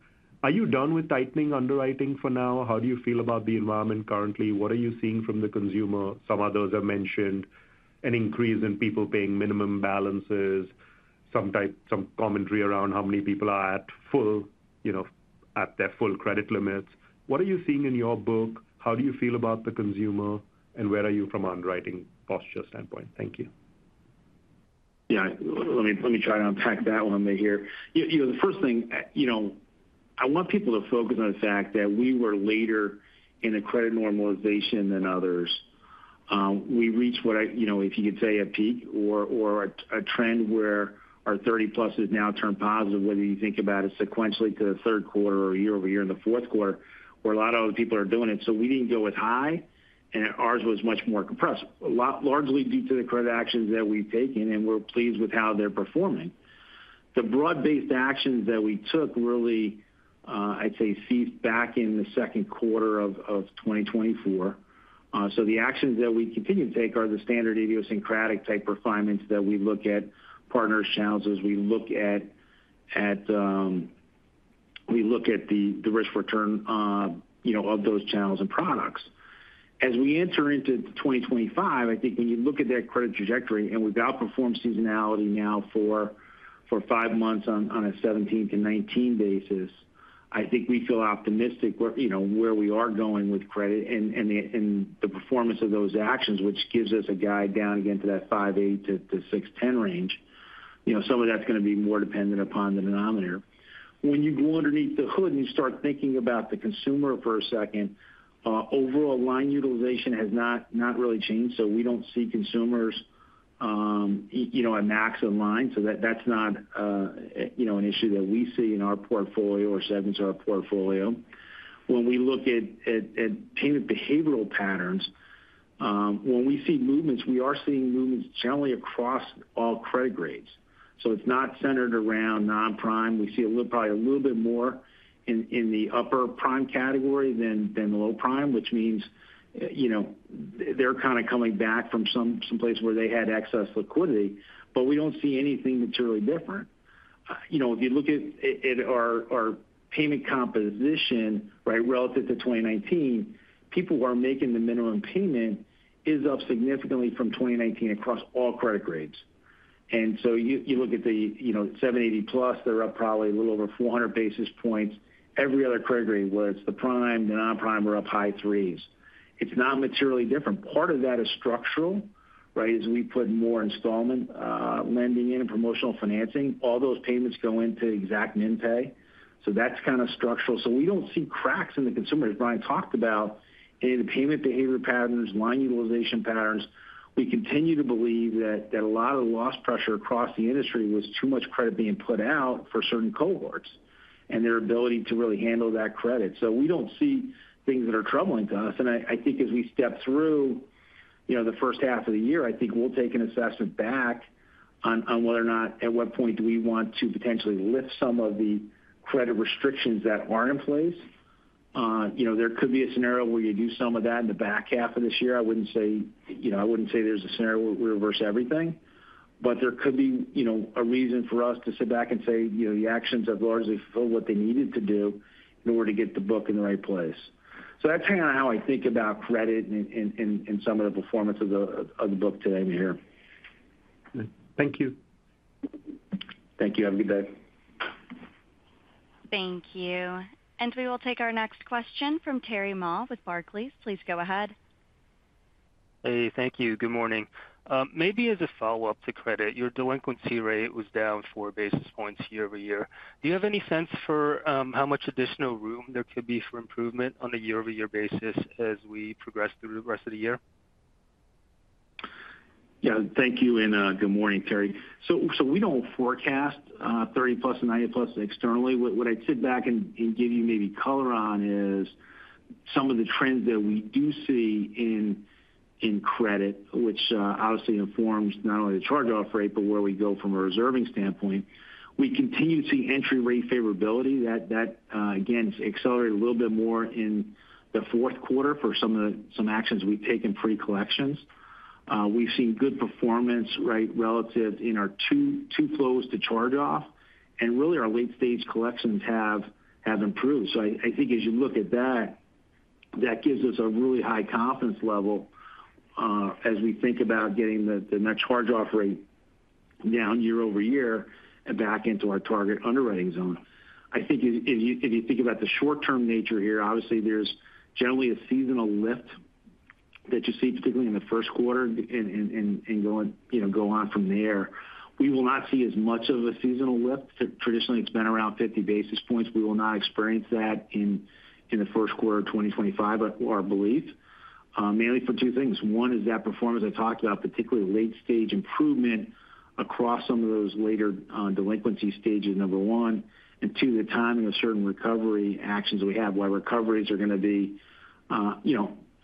are you done with tightening underwriting for now? How do you feel about the environment currently? What are you seeing from the consumer? Some others have mentioned an increase in people paying minimum balances, some commentary around how many people are at their full credit limits. What are you seeing in your book? How do you feel about the consumer? And where are you from an underwriting posture standpoint? Thank you. Yeah. Let me try to unpack that one there. The first thing, I want people to focus on the fact that we were later in the credit normalization than others. We reached what I, if you could say, a peak or a trend where our 30-plus has now turned positive, whether you think about it sequentially to the third quarter or year over year in the fourth quarter, where a lot of other people are doing it. So we didn't go as high, and ours was much more compressed, largely due to the credit actions that we've taken, and we're pleased with how they're performing. The broad-based actions that we took really, I'd say, seeped back in the second quarter of 2024. The actions that we continue to take are the standard idiosyncratic type refinements that we look at partner channels as we look at the risk-return of those channels and products. As we enter into 2025, I think when you look at that credit trajectory and we've outperformed seasonality now for five months on a 17-19 basis points, I think we feel optimistic where we are going with credit and the performance of those actions, which gives us a guide down again to that 5.8%-6.10% range. Some of that's going to be more dependent upon the denominator. When you go underneath the hood and you start thinking about the consumer for a second, overall line utilization has not really changed. So we don't see consumers at maximum line. So that's not an issue that we see in our portfolio or segments of our portfolio. When we look at payment behavioral patterns, when we see movements, we are seeing movements generally across all credit grades. So it's not centered around non-prime. We see probably a little bit more in the upper prime category than the low prime, which means they're kind of coming back from someplace where they had excess liquidity. But we don't see anything materially different. If you look at our payment composition, right, relative to 2019, people who are making the minimum payment is up significantly from 2019 across all credit grades. And so you look at the 780-plus, they're up probably a little over 400 basis points. Every other credit grade, whether it's the prime, the non-prime, are up high threes. It's not materially different. Part of that is structural, right, as we put more installment lending in and promotional financing. All those payments go into exact min pay. That's kind of structural. We don't see cracks in the consumer as Brian talked about in the payment behavior patterns, line utilization patterns. We continue to believe that a lot of the loss pressure across the industry was too much credit being put out for certain cohorts and their ability to really handle that credit. We don't see things that are troubling to us. I think as we step through the first half of the year, I think we'll take an assessment back on whether or not at what point do we want to potentially lift some of the credit restrictions that aren't in place. There could be a scenario where you do some of that in the back half of this year. I wouldn't say there's a scenario where we reverse everything, but there could be a reason for us to sit back and say the actions have largely fulfilled what they needed to do in order to get the book in the right place. So that's kind of how I think about credit and some of the performance of the book today, Mihir. Thank you. Thank you. Have a good day. Thank you. And we will take our next question from Terry Ma with Barclays. Please go ahead. Hey, thank you. Good morning. Maybe as a follow-up to credit, your delinquency rate was down four basis points year over year. Do you have any sense for how much additional room there could be for improvement on a year-over-year basis as we progress through the rest of the year? Yeah. Thank you and good morning, Terry. So we don't forecast 30-plus and 90-plus externally. What I'd sit back and give you maybe color on is some of the trends that we do see in credit, which obviously informs not only the charge-off rate, but where we go from a reserving standpoint. We continue to see entry rate favorability. That, again, accelerated a little bit more in the fourth quarter for some actions we've taken pre-collections. We've seen good performance, right, relative in our two flows to charge-off. And really, our late-stage collections have improved. So I think as you look at that, that gives us a really high confidence level as we think about getting the net charge-off rate down year over year and back into our target underwriting zone. I think if you think about the short-term nature here, obviously, there's generally a seasonal lift that you see, particularly in the first quarter, and go on from there. We will not see as much of a seasonal lift. Traditionally, it's been around 50 basis points. We will not experience that in the first quarter of 2025, our belief, mainly for two things. One is that performance I talked about, particularly late-stage improvement across some of those later delinquency stages, number one. And two, the timing of certain recovery actions that we have, where recoveries are going to be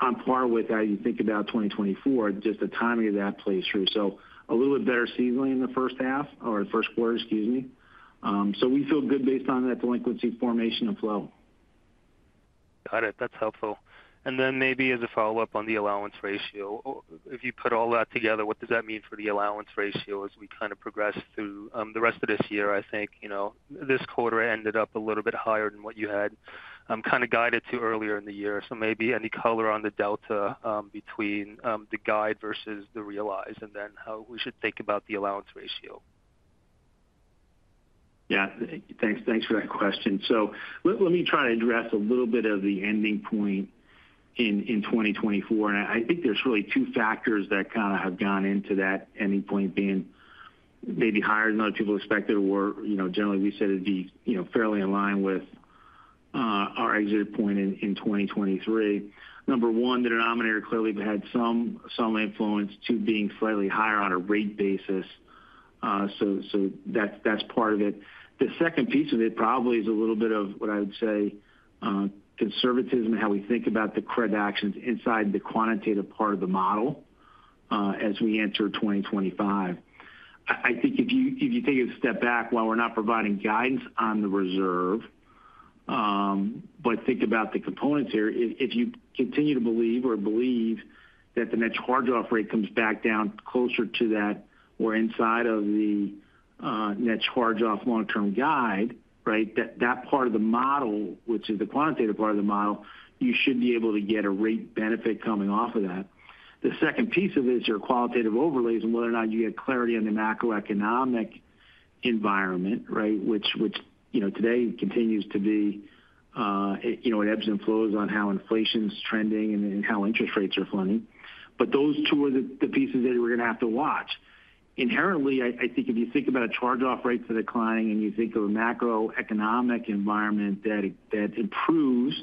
on par with how you think about 2024, just the timing of that plays through. So a little bit better seasonally in the first half or the first quarter, excuse me. So we feel good based on that delinquency formation and flow. Got it. That's helpful. And then maybe as a follow-up on the allowance ratio, if you put all that together, what does that mean for the allowance ratio as we kind of progress through the rest of this year? I think this quarter ended up a little bit higher than what you had kind of guided to earlier in the year. So maybe any color on the delta between the guide versus the realized and then how we should think about the allowance ratio. Yeah. Thanks for that question. So let me try to address a little bit of the ending point in 2024. And I think there's really two factors that kind of have gone into that ending point being maybe higher than other people expected or generally we said it'd be fairly in line with our exit point in 2023. Number one, the denominator clearly had some influence to being slightly higher on a rate basis. So that's part of it. The second piece of it probably is a little bit of what I would say conservatism and how we think about the credit actions inside the quantitative part of the model as we enter 2025. I think if you take a step back, while we're not providing guidance on the reserve, but think about the components here, if you continue to believe or believe that the net charge-off rate comes back down closer to that or inside of the net charge-off long-term guide, right, that part of the model, which is the quantitative part of the model, you should be able to get a rate benefit coming off of that. The second piece of it is your qualitative overlays and whether or not you get clarity on the macroeconomic environment, right, which today continues to be at ebbs and flows on how inflation's trending and how interest rates are heading. But those two are the pieces that we're going to have to watch. Inherently, I think if you think about a charge-off rate that's declining and you think of a macroeconomic environment that improves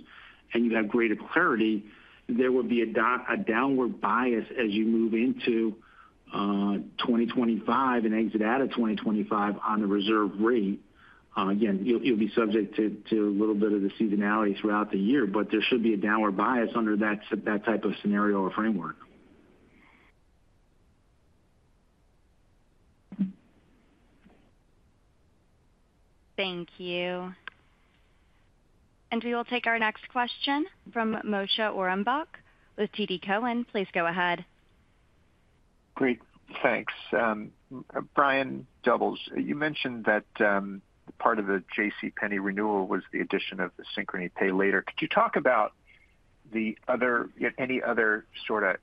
and you have greater clarity, there would be a downward bias as you move into 2025 and exit out of 2025 on the reserve rate. Again, you'll be subject to a little bit of the seasonality throughout the year, but there should be a downward bias under that type of scenario or framework. Thank you. And we will take our next question from Moshe Orenbuch with TD Cowen. Please go ahead. Great. Thanks. Brian Doubles, you mentioned that part of the JCPenney renewal was the addition of the Synchrony Pay Later. Could you talk about any other sort of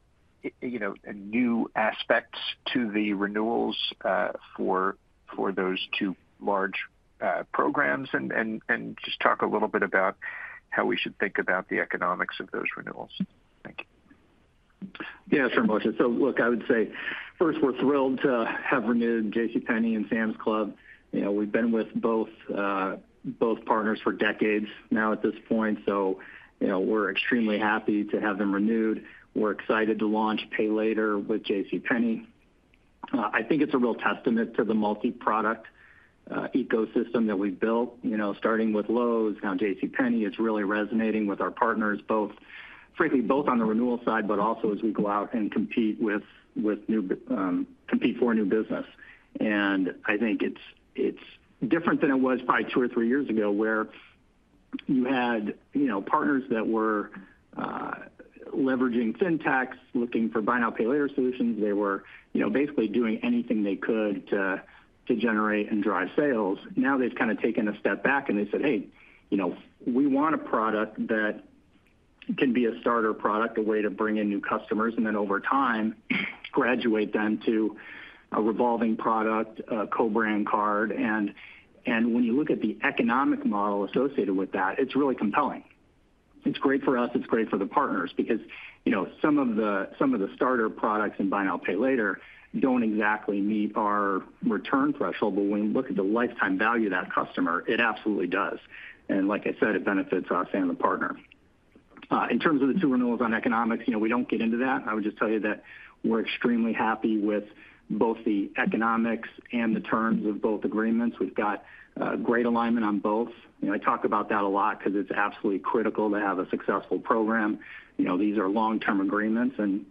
new aspects to the renewals for those two large programs and just talk a little bit about how we should think about the economics of those renewals? Thank you. Yeah, sure, Moshe. So look, I would say, first, we're thrilled to have renewed JCPenney and Sam's Club. We've been with both partners for decades now at this point. So we're extremely happy to have them renewed. We're excited to launch Pay Later with JCPenney. I think it's a real testament to the multi-product ecosystem that we've built, starting with Lowe's. Now, JCPenney is really resonating with our partners, frankly, both on the renewal side, but also as we go out and compete for a new business. I think it's different than it was probably two or three years ago where you had partners that were leveraging fintechs, looking for buy now, pay later solutions. They were basically doing anything they could to generate and drive sales. Now they've kind of taken a step back and they said, "Hey, we want a product that can be a starter product, a way to bring in new customers, and then over time, graduate them to a revolving product, a co-brand card." When you look at the economic model associated with that, it's really compelling. It's great for us. It's great for the partners because some of the starter products in buy now, pay later don't exactly meet our return threshold. But when we look at the lifetime value of that customer, it absolutely does. Like I said, it benefits us and the partner. In terms of the two renewals on economics, we don't get into that. I would just tell you that we're extremely happy with both the economics and the terms of both agreements. We've got great alignment on both. I talk about that a lot because it's absolutely critical to have a successful program. These are long-term agreements, and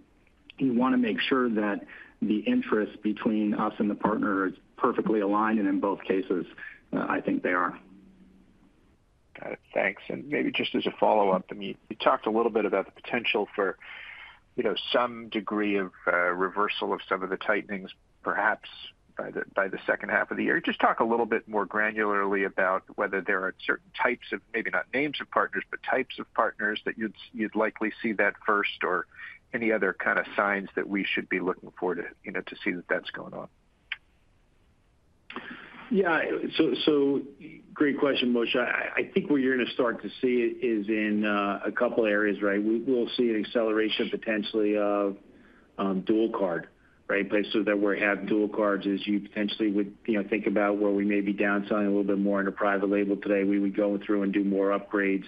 we want to make sure that the interest between us and the partner is perfectly aligned. And in both cases, I think they are. Got it. Thanks. And maybe just as a follow-up, I mean, you talked a little bit about the potential for some degree of reversal of some of the tightenings, perhaps by the second half of the year. Just talk a little bit more granularly about whether there are certain types of, maybe not names of partners, but types of partners that you'd likely see that first or any other kind of signs that we should be looking for to see that that's going on. Yeah. So great question, Moshe. I think where you're going to start to see it is in a couple of areas, right? We'll see an acceleration potentially of Dual Card, right, so that we're having Dual Cards as you potentially would think about where we may be downselling a little bit more into private label today. We would go through and do more upgrades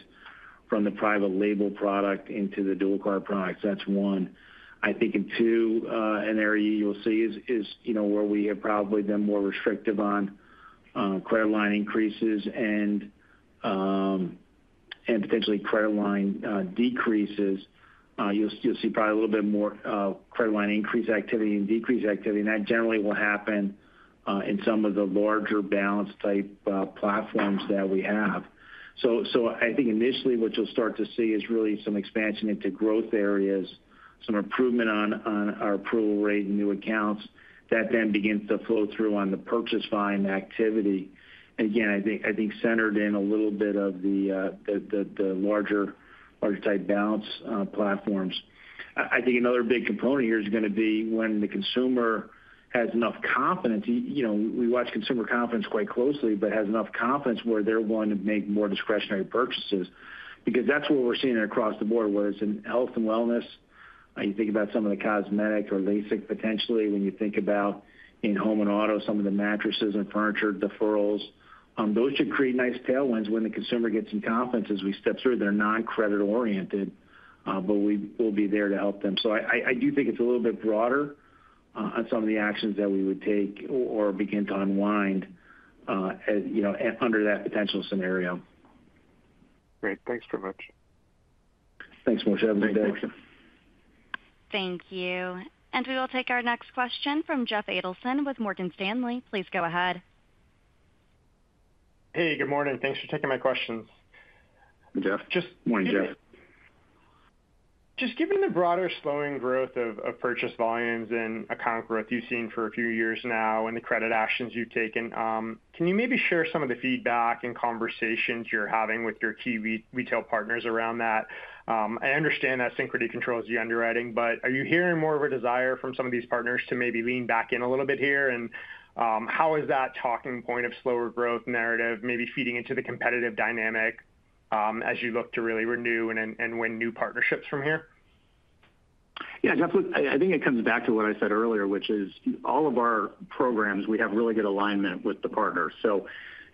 from the private label product into the dual card products. That's one. I think in two, an area you'll see is where we have probably been more restrictive on credit line increases and potentially credit line decreases. You'll see probably a little bit more credit line increase activity and decrease activity. And that generally will happen in some of the larger balance type platforms that we have. So I think initially what you'll start to see is really some expansion into growth areas, some improvement on our approval rate and new accounts that then begins to flow through on the purchase line activity. Again, I think centered in a little bit of the larger type balance platforms. I think another big component here is going to be when the consumer has enough confidence. We watch consumer confidence quite closely, but has enough confidence where they're willing to make more discretionary purchases because that's what we're seeing across the board. Whether it's in health and wellness, you think about some of the cosmetic or LASIK potentially. When you think about in-home and auto, some of the mattresses and furniture deferrals, those should create nice tailwinds when the consumer gets some confidence as we step through. They're non-credit oriented, but we will be there to help them. So I do think it's a little bit broader on some of the actions that we would take or begin to unwind under that potential scenario. Great. Thanks very much. Thanks, Moshe. Have a good day. Thank you. Thank you. And we will take our next question from Jeff Adelson with Morgan Stanley. Please go ahead. Hey, good morning. Thanks for taking my questions. Hey, Jeff. Good morning, Jeff. Just given the broader slowing growth of purchase volumes and account growth you've seen for a few years now and the credit actions you've taken, can you maybe share some of the feedback and conversations you're having with your key retail partners around that? I understand that Synchrony controls the underwriting, but are you hearing more of a desire from some of these partners to maybe lean back in a little bit here? And how is that talking point of slower growth narrative maybe feeding into the competitive dynamic as you look to really renew and win new partnerships from here? Yeah, definitely. I think it comes back to what I said earlier, which is all of our programs, we have really good alignment with the partners.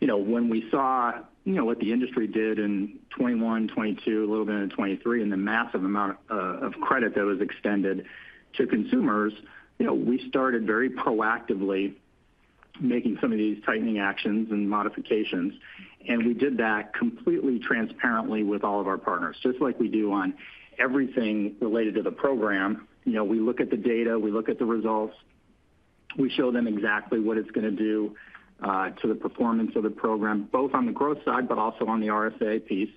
When we saw what the industry did in 2021, 2022, a little bit in 2023, and the massive amount of credit that was extended to consumers, we started very proactively making some of these tightening actions and modifications. And we did that completely transparently with all of our partners, just like we do on everything related to the program. We look at the data, we look at the results, we show them exactly what it's going to do to the performance of the program, both on the growth side, but also on the RSA piece.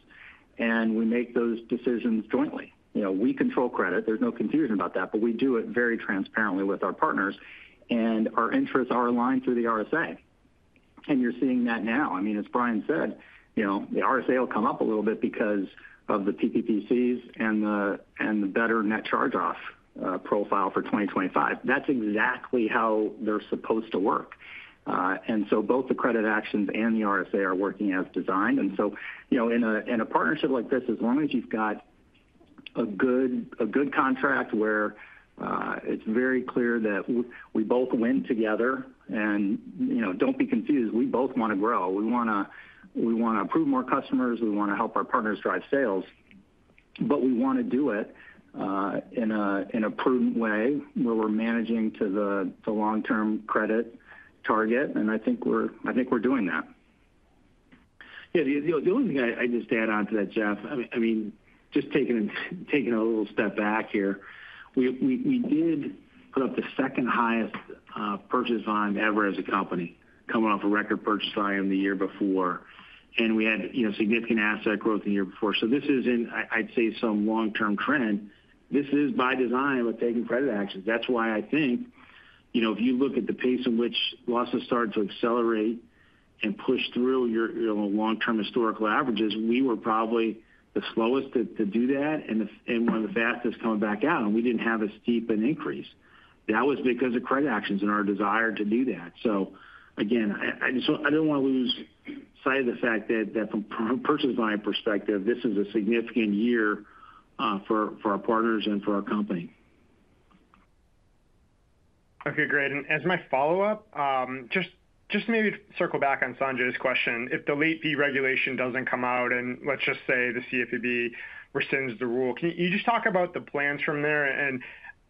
And we make those decisions jointly. We control credit. There's no confusion about that, but we do it very transparently with our partners. And our interests are aligned through the RSA. And you're seeing that now. I mean, as Brian said, the RSA will come up a little bit because of the PPPCs and the better net charge-off profile for 2025. That's exactly how they're supposed to work. And so both the credit actions and the RSA are working as designed. And so in a partnership like this, as long as you've got a good contract where it's very clear that we both win together, and don't be confused, we both want to grow. We want to approve more customers. We want to help our partners drive sales. But we want to do it in a prudent way where we're managing to the long-term credit target. And I think we're doing that. Yeah. The only thing I just add on to that, Jeff, I mean, just taking a little step back here, we did put up the second highest purchase volume ever as a company coming off a record purchase volume the year before. And we had significant asset growth the year before. So this isn't, I'd say, some long-term trend. This is by design with taking credit actions. That's why I think if you look at the pace in which losses start to accelerate and push through your long-term historical averages, we were probably the slowest to do that and one of the fastest coming back out. And we didn't have a steep increase. That was because of credit actions and our desire to do that. So again, I don't want to lose sight of the fact that from a purchase volume perspective, this is a significant year for our partners and for our company. Okay. Great. And as my follow-up, just to maybe circle back on Sanjay's question, if the late fee regulation doesn't come out and let's just say the CFPB rescinds the rule, can you just talk about the plans from there? And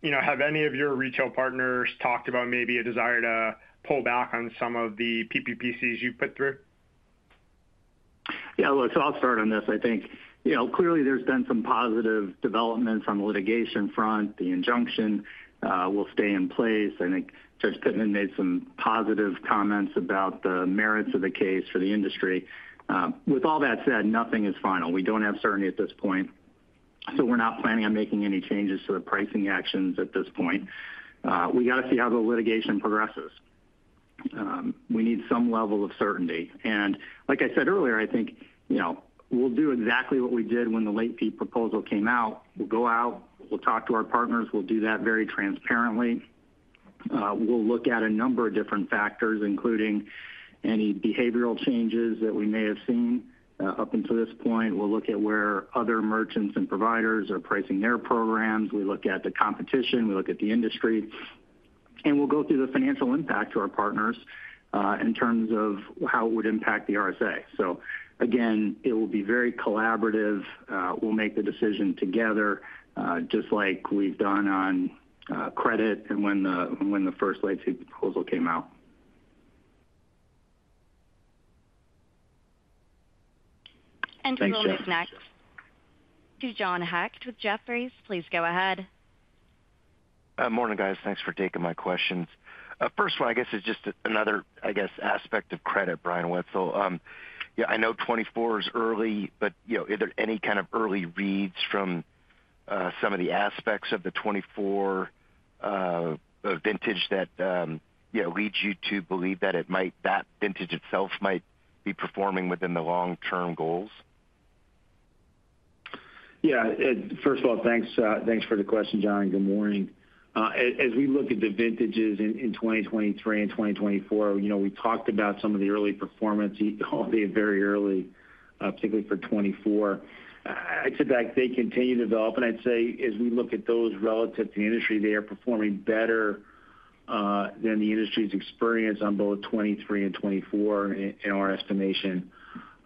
have any of your retail partners talked about maybe a desire to pull back on some of the PPPCs you put through? Yeah. So I'll start on this. I think clearly there's been some positive developments on the litigation front. The injunction will stay in place. I think Judge Pittman made some positive comments about the merits of the case for the industry. With all that said, nothing is final. We don't have certainty at this point. So we're not planning on making any changes to the pricing actions at this point. We got to see how the litigation progresses. We need some level of certainty. And like I said earlier, I think we'll do exactly what we did when the late fee proposal came out. We'll go out. We'll talk to our partners. We'll do that very transparently. We'll look at a number of different factors, including any behavioral changes that we may have seen up until this point. We'll look at where other merchants and providers are pricing their programs. We look at the competition. We look at the industry. And we'll go through the financial impact to our partners in terms of how it would impact the RSA. So again, it will be very collaborative. We'll make the decision together, just like we've done on credit and when the first late fee proposal came out. And we will take next to John Hecht with Jefferies. Please go ahead. Morning, guys. Thanks for taking my questions. First one, I guess, is just another, I guess, aspect of credit, Brian Wenzel. Yeah, I know 2024 is early, but are there any kind of early reads from some of the aspects of the 2024 vintage that leads you to believe that that vintage itself might be performing within the long-term goals? Yeah. First of all, thanks for the question, John. Good morning. As we look at the vintages in 2023 and 2024, we talked about some of the early performance, all the very early, particularly for 2024. I'd say that they continue to develop. And I'd say as we look at those relative to the industry, they are performing better than the industry's experience on both 2023 and 2024, in our estimation.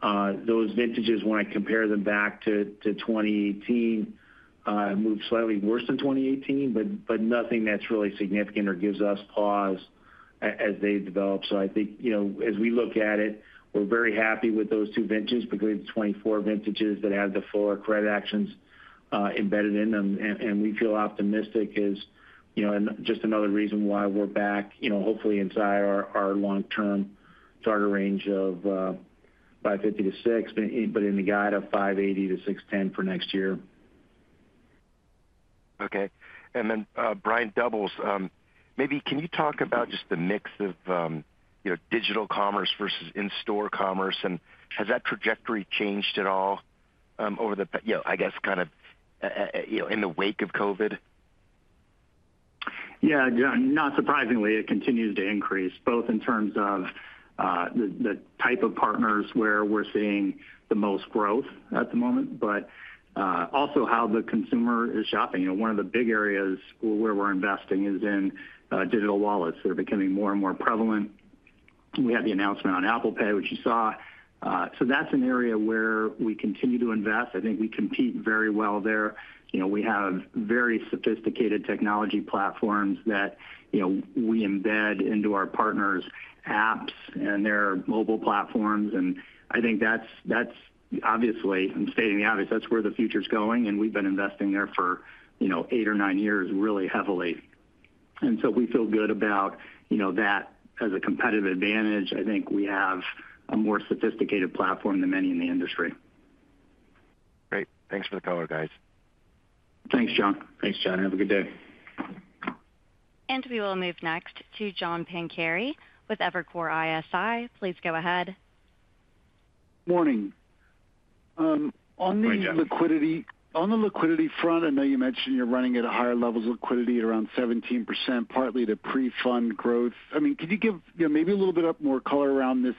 Those vintages, when I compare them back to 2018, moved slightly worse than 2018, but nothing that's really significant or gives us pause as they develop. So I think as we look at it, we're very happy with those two vintages because it's 2024 vintages that have the fuller credit actions embedded in them. And we feel optimistic is just another reason why we're back, hopefully, inside our long-term target range of 550 to 600, but in the guide of 580 to 610 for next year. Okay. And then Brian Doubles, maybe can you talk about just the mix of digital commerce versus in-store commerce? And has that trajectory changed at all over the, I guess, kind of in the wake of COVID? Yeah. Not surprisingly, it continues to increase, both in terms of the type of partners where we're seeing the most growth at the moment, but also how the consumer is shopping. One of the big areas where we're investing is in digital wallets that are becoming more and more prevalent. We had the announcement on Apple Pay, which you saw. So that's an area where we continue to invest. I think we compete very well there. We have very sophisticated technology platforms that we embed into our partners' apps and their mobile platforms. And I think that's obviously, I'm stating the obvious, that's where the future is going. And we've been investing there for eight or nine years really heavily. And so we feel good about that as a competitive advantage. I think we have a more sophisticated platform than many in the industry. Great. Thanks for the call, guys. Thanks, John. Thanks, John. Have a good day, and we will move next to John Pancari with Evercore ISI. Please go ahead. Morning. On the liquidity front, I know you mentioned you're running at a higher level of liquidity at around 17%, partly to pre-fund growth. I mean, could you give maybe a little bit more color around this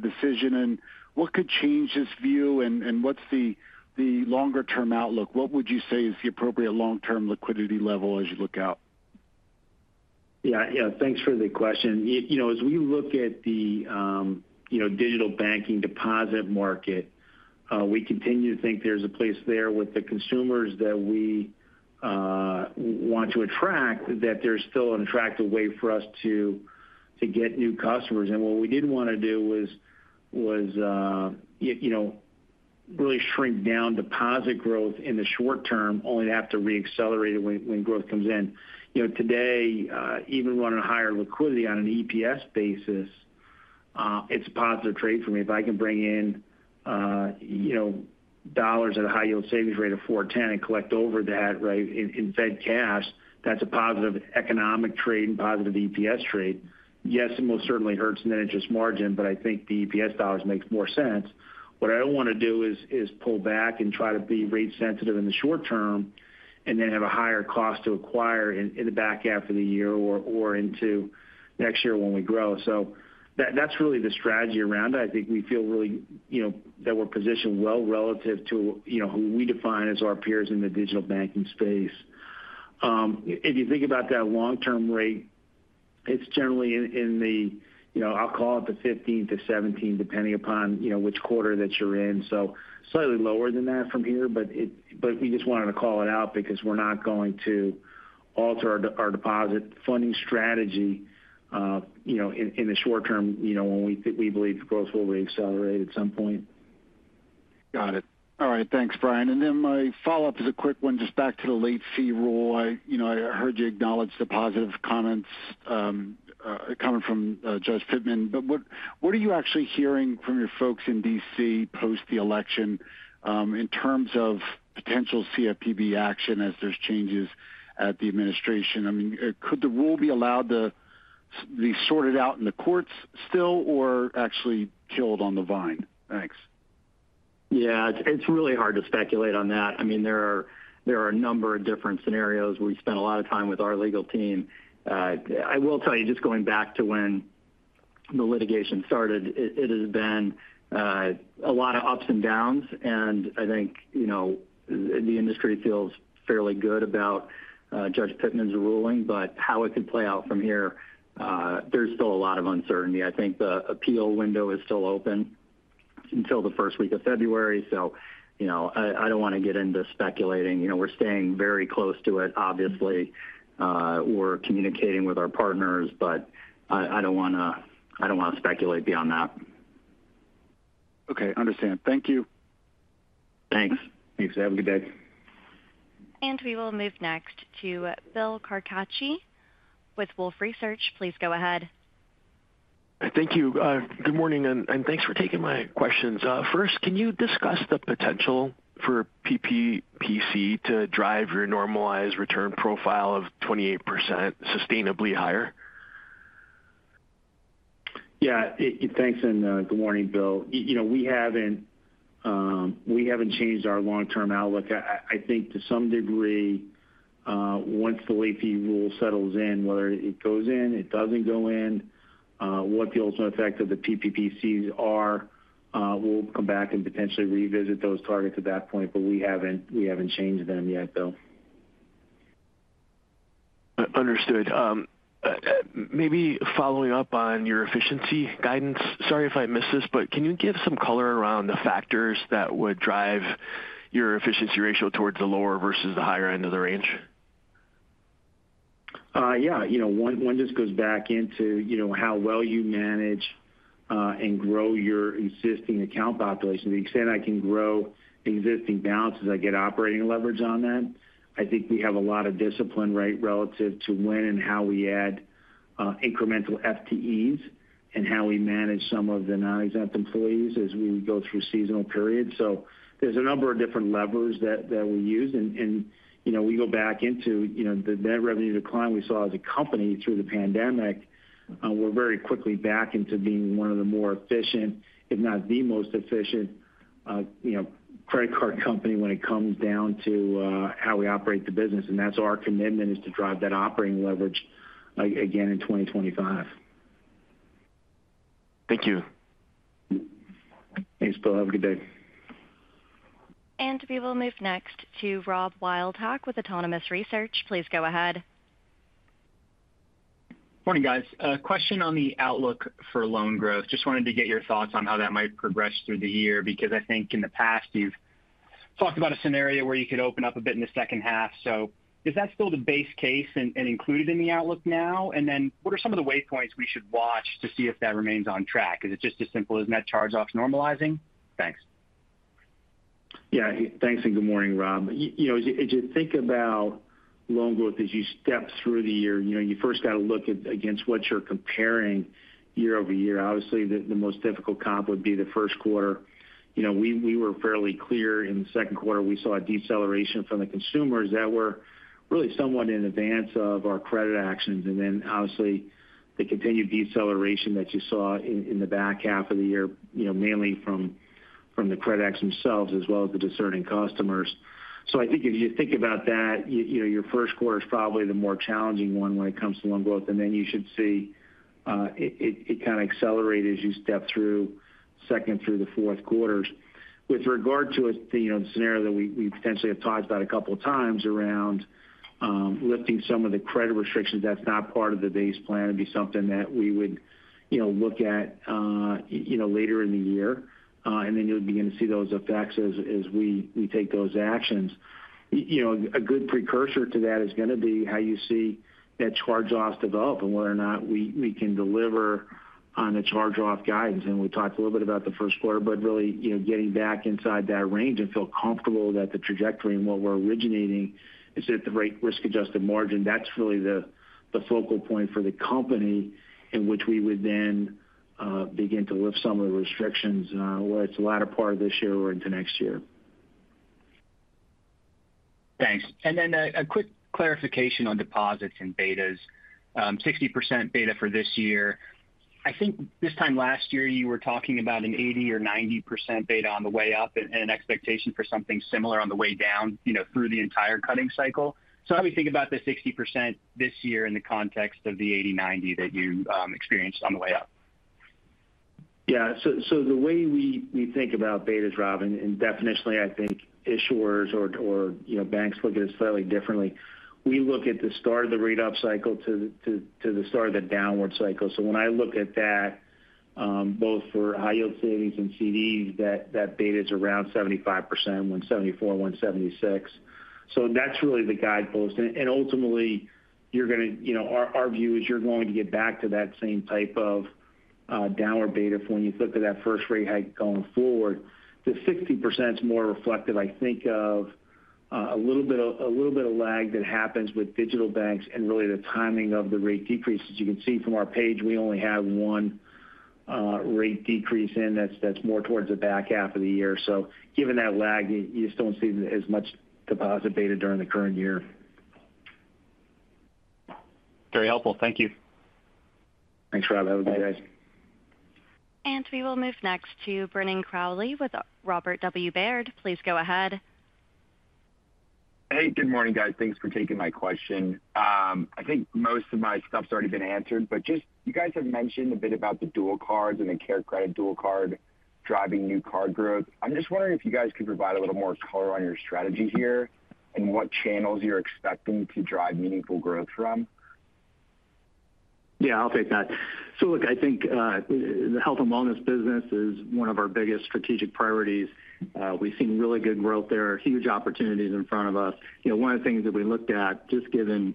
decision and what could change this view and what's the longer-term outlook? What would you say is the appropriate long-term liquidity level as you look out? Yeah. Yeah. Thanks for the question. As we look at the digital banking deposit market, we continue to think there's a place there with the consumers that we want to attract, that there's still an attractive way for us to get new customers. What we did want to do was really shrink down deposit growth in the short term, only to have to re-accelerate it when growth comes in. Today, even on a higher liquidity on an EPS basis, it's a positive trade for me. If I can bring in dollars at a high yield savings rate of 4.10% and collect over that, right, in Fed cash, that's a positive economic trade and positive EPS trade. Yes, it most certainly hurts in the interest margin, but I think the EPS dollars makes more sense. What I don't want to do is pull back and try to be rate-sensitive in the short term and then have a higher cost to acquire in the back half of the year or into next year when we grow. So that's really the strategy around it. I think we feel really that we're positioned well relative to who we define as our peers in the digital banking space. If you think about that long-term rate, it's generally in the, I'll call it the 15th to 17th, depending upon which quarter that you're in. So slightly lower than that from here, but we just wanted to call it out because we're not going to alter our deposit funding strategy in the short term when we believe growth will re-accelerate at some point. Got it. All right. Thanks, Brian. And then my follow-up is a quick one, just back to the late fee rule. I heard you acknowledge the positive comments coming from Judge Pittman. But what are you actually hearing from your folks in DC post the election in terms of potential CFPB action as there's changes at the administration? I mean, could the rule be allowed to be sorted out in the courts still or actually killed on the vine? Thanks. Yeah. It's really hard to speculate on that. I mean, there are a number of different scenarios. We spent a lot of time with our legal team. I will tell you, just going back to when the litigation started, it has been a lot of ups and downs. And I think the industry feels fairly good about Judge Pittman's ruling, but how it could play out from here, there's still a lot of uncertainty. I think the appeal window is still open until the first week of February. So I don't want to get into speculating. We're staying very close to it, obviously. We're communicating with our partners, but I don't want to speculate beyond that. Okay. Understand. Thank you. Thanks. Thanks. Have a good day. And we will move next to Bill Carcache with Wolfe Research. Please go ahead. Thank you. Good morning and thanks for taking my questions. First, can you discuss the potential for PPPC to drive your normalized return profile of 28% sustainably higher? Yeah. Thanks. And good morning, Bill. We haven't changed our long-term outlook. I think to some degree, once the late fee rule settles in, whether it goes in, it doesn't go in, what the ultimate effect of the PPPCs are, we'll come back and potentially revisit those targets at that point, but we haven't changed them yet, Bill. Understood. Maybe following up on your efficiency guidance, sorry if I missed this, but can you give some color around the factors that would drive your efficiency ratio towards the lower versus the higher end of the range? Yeah. One just goes back into how well you manage and grow your existing account population. The extent I can grow existing balances, I get operating leverage on that. I think we have a lot of discipline, right, relative to when and how we add incremental FTEs and how we manage some of the non-exempt employees as we go through seasonal periods. So there's a number of different levers that we use. We go back into the net revenue decline we saw as a company through the pandemic. We're very quickly back into being one of the more efficient, if not the most efficient credit card company when it comes down to how we operate the business. That's our commitment is to drive that operating leverage again in 2025. Thank you. Thanks, Bill. Have a good day. We will move next to Rob Wildhack with Autonomous Research. Please go ahead. Morning, guys. Question on the outlook for loan growth. Just wanted to get your thoughts on how that might progress through the year because I think in the past you've talked about a scenario where you could open up a bit in the second half. So is that still the base case and included in the outlook now? And then what are some of the waypoints we should watch to see if that remains on track? Is it just as simple as net charge-offs normalizing? Thanks. Yeah. Thanks. And good morning, Rob. As you think about loan growth as you step through the year, you first got to look against what you're comparing year-over-year. Obviously, the most difficult comp would be the first quarter. We were fairly clear in the second quarter. We saw a deceleration from the consumers that were really somewhat in advance of our credit actions, and then obviously, the continued deceleration that you saw in the back half of the year, mainly from the credit actions themselves as well as the discerning customers, so I think if you think about that, your first quarter is probably the more challenging one when it comes to loan growth, and then you should see it kind of accelerate as you step through second through the fourth quarters. With regard to the scenario that we potentially have talked about a couple of times around lifting some of the credit restrictions, that's not part of the base plan. It'd be something that we would look at later in the year, and then you'll begin to see those effects as we take those actions. A good precursor to that is going to be how you see that charge-offs develop and whether or not we can deliver on the charge-off guidance. And we talked a little bit about the first quarter, but really getting back inside that range and feel comfortable that the trajectory and what we're originating is at the risk-adjusted margin. That's really the focal point for the company in which we would then begin to lift some of the restrictions, whether it's the latter part of this year or into next year. Thanks. And then a quick clarification on deposits and betas. 60% beta for this year. I think this time last year, you were talking about an 80% or 90% beta on the way up and an expectation for something similar on the way down through the entire cutting cycle. So how do we think about the 60% this year in the context of the 80%, 90% that you experienced on the way up? Yeah. So the way we think about beta drop, and definitionally, I think issuers or banks look at it slightly differently. We look at the start of the rate-up cycle to the start of the downward cycle. So when I look at that, both for high-yield savings and CDs, that beta is around 75%, 74, 76. So that's really the guidepost. And ultimately, you're going to, our view is, you're going to get back to that same type of downward beta for when you flip to that first rate hike going forward. The 60% is more reflective, I think, of a little bit of lag that happens with digital banks and really the timing of the rate decreases. You can see from our page, we only have one rate decrease. In that's more towards the back half of the year. So given that lag, you just don't see as much deposit beta during the current year. Very helpful. Thank you. Thanks, Rob. Have a good day, and we will move next to Brennan Crowley with Robert W. Baird. Please go ahead. Hey, good morning, guys. Thanks for taking my question. I think most of my stuff's already been answered, but just you guys have mentioned a bit about the Dual Cards and the CareCredit Dual Card driving new card growth. I'm just wondering if you guys could provide a little more color on your strategy here and what channels you're expecting to drive meaningful growth from. Yeah, I'll take that. So look, I think the health and wellness business is one of our biggest strategic priorities. We've seen really good growth there, huge opportunities in front of us. One of the things that we looked at, just given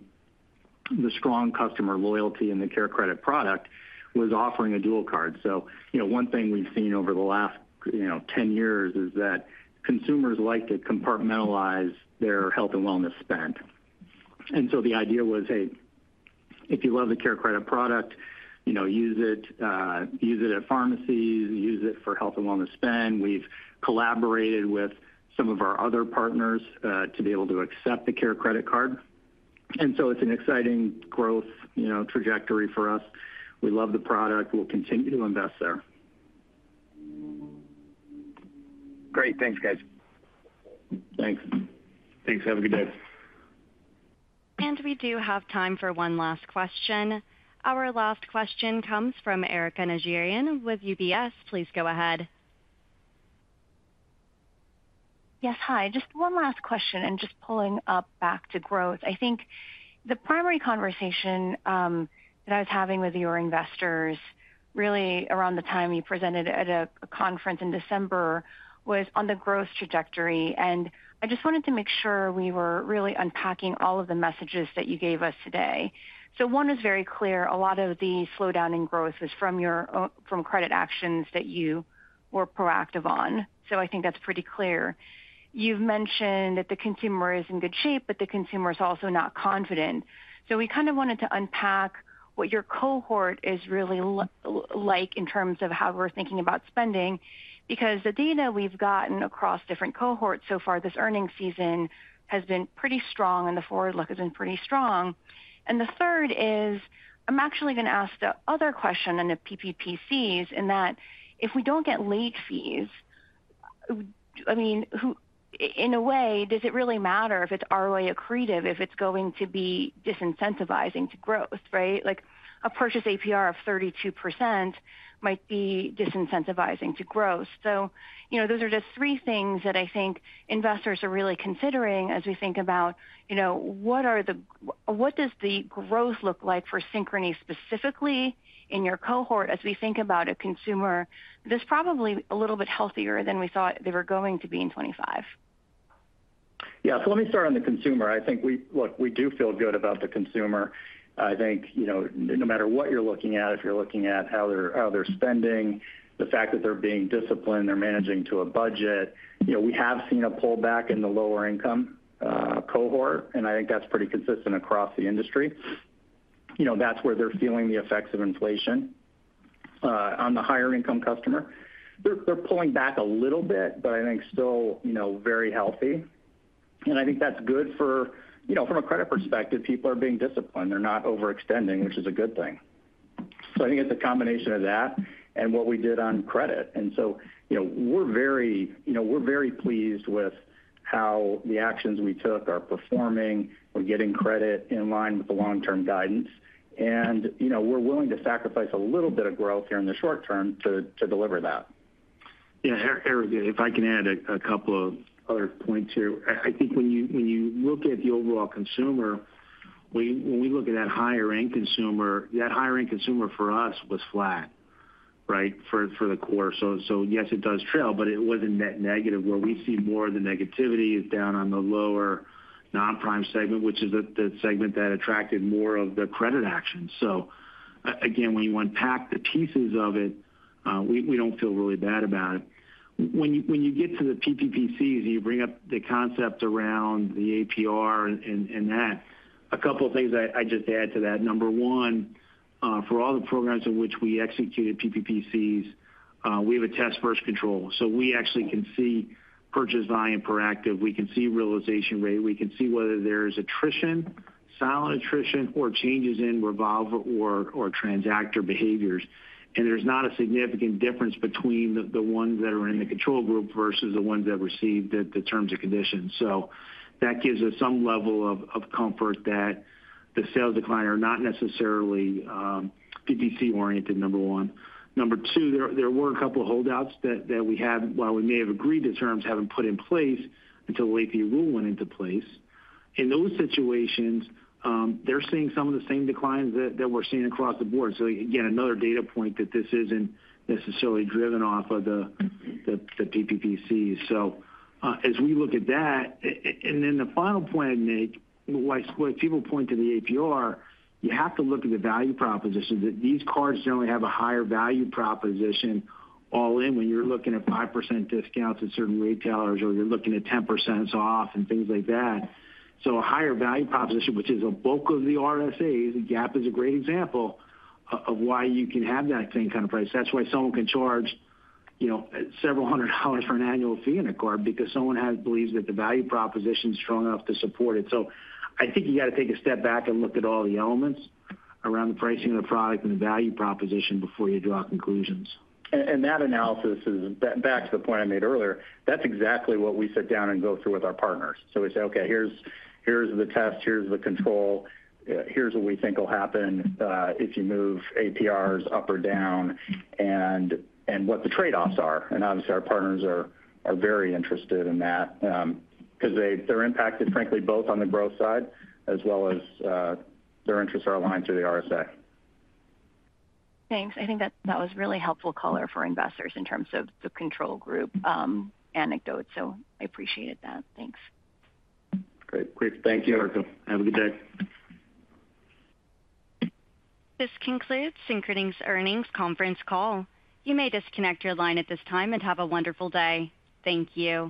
the strong customer loyalty and the CareCredit product, was offering a dual card. So one thing we've seen over the last 10 years is that consumers like to compartmentalize their health and wellness spend. And so the idea was, hey, if you love the CareCredit product, use it at pharmacies, use it for health and wellness spend. We've collaborated with some of our other partners to be able to accept the CareCredit card. And so it's an exciting growth trajectory for us. We love the product. We'll continue to invest there. Great. Thanks, guys. Thanks. Thanks. Have a good day. And we do have time for one last question. Our last question comes from Erika Najarian with UBS. Please go ahead. Yes. Hi. Just one last question, and just pulling up back to growth. I think the primary conversation that I was having with your investors, really around the time you presented at a conference in December, was on the growth trajectory, and I just wanted to make sure we were really unpacking all of the messages that you gave us today, so one is very clear. A lot of the slowdown in growth was from credit actions that you were proactive on, so I think that's pretty clear. You've mentioned that the consumer is in good shape, but the consumer is also not confident, so we kind of wanted to unpack what your cohort is really like in terms of how we're thinking about spending because the data we've gotten across different cohorts so far this earnings season has been pretty strong and the forward look has been pretty strong. And the third is I'm actually going to ask the other question on the PPPCs in that if we don't get late fees, I mean, in a way, does it really matter if it's ROI accretive, if it's going to be disincentivizing to growth, right? A purchase APR of 32% might be disincentivizing to growth. So those are just three things that I think investors are really considering as we think about what does the growth look like for Synchrony specifically in your cohort as we think about a consumer that's probably a little bit healthier than we thought they were going to be in 2025. Yeah. So let me start on the consumer. I think, look, we do feel good about the consumer. I think no matter what you're looking at, if you're looking at how they're spending, the fact that they're being disciplined, they're managing to a budget, we have seen a pullback in the lower-income cohort, and I think that's pretty consistent across the industry. That's where they're feeling the effects of inflation on the higher-income customer. They're pulling back a little bit, but I think still very healthy. And I think that's good, from a credit perspective, people are being disciplined. They're not overextending, which is a good thing. So I think it's a combination of that and what we did on credit. And so we're very pleased with how the actions we took are performing. We're getting credit in line with the long-term guidance. And we're willing to sacrifice a little bit of growth here in the short term to deliver that. Yeah. Erika, if I can add a couple of other points here. I think when you look at the overall consumer, when we look at that higher-end consumer, that higher-end consumer for us was flat, right, for the quarter. So yes, it does trail, but it wasn't net negative where we see more of the negativity is down on the lower non-prime segment, which is the segment that attracted more of the credit action. So again, when you unpack the pieces of it, we don't feel really bad about it. When you get to the PPPCs and you bring up the concept around the APR and that, a couple of things I just add to that. Number one, for all the programs in which we executed PPPCs, we have a test-first control. So we actually can see purchase volume per active. We can see realization rate. We can see whether there is attrition, silent attrition, or changes in revolver or transactor behaviors. And there's not a significant difference between the ones that are in the control group versus the ones that receive the terms and conditions. So that gives us some level of comfort that the sales decline are not necessarily PPPC-oriented, number one. Number two, there were a couple of holdouts that we had while we may have agreed to terms haven't put in place until the late fee rule went into place. In those situations, they're seeing some of the same declines that we're seeing across the board. So again, another data point that this isn't necessarily driven off of the PPPCs. So as we look at that, and then the final point I'd make, like people point to the APR, you have to look at the value proposition that these cards generally have a higher value proposition all in when you're looking at 5% discounts at certain retailers or you're looking at 10% off and things like that. So a higher value proposition, which is a bulk of the RSAs, the Gap is a great example of why you can have that same kind of price. That's why someone can charge several hundred dollars for an annual fee in a card because someone believes that the value proposition is strong enough to support it. So I think you got to take a step back and look at all the elements around the pricing of the product and the value proposition before you draw conclusions. That analysis is back to the point I made earlier. That's exactly what we sit down and go through with our partners. So we say, "Okay, here's the test. Here's the control. Here's what we think will happen if you move APRs up or down and what the trade-offs are." And obviously, our partners are very interested in that because they're impacted, frankly, both on the growth side as well as their interests are aligned through the RSA. Thanks. I think that was really helpful color for investors in terms of the control group anecdote. So I appreciated that. Thanks. Great. Thank you, Erika. Have a good day. This concludes Synchrony's earnings conference call. You may disconnect your line at this time and have a wonderful day. Thank you.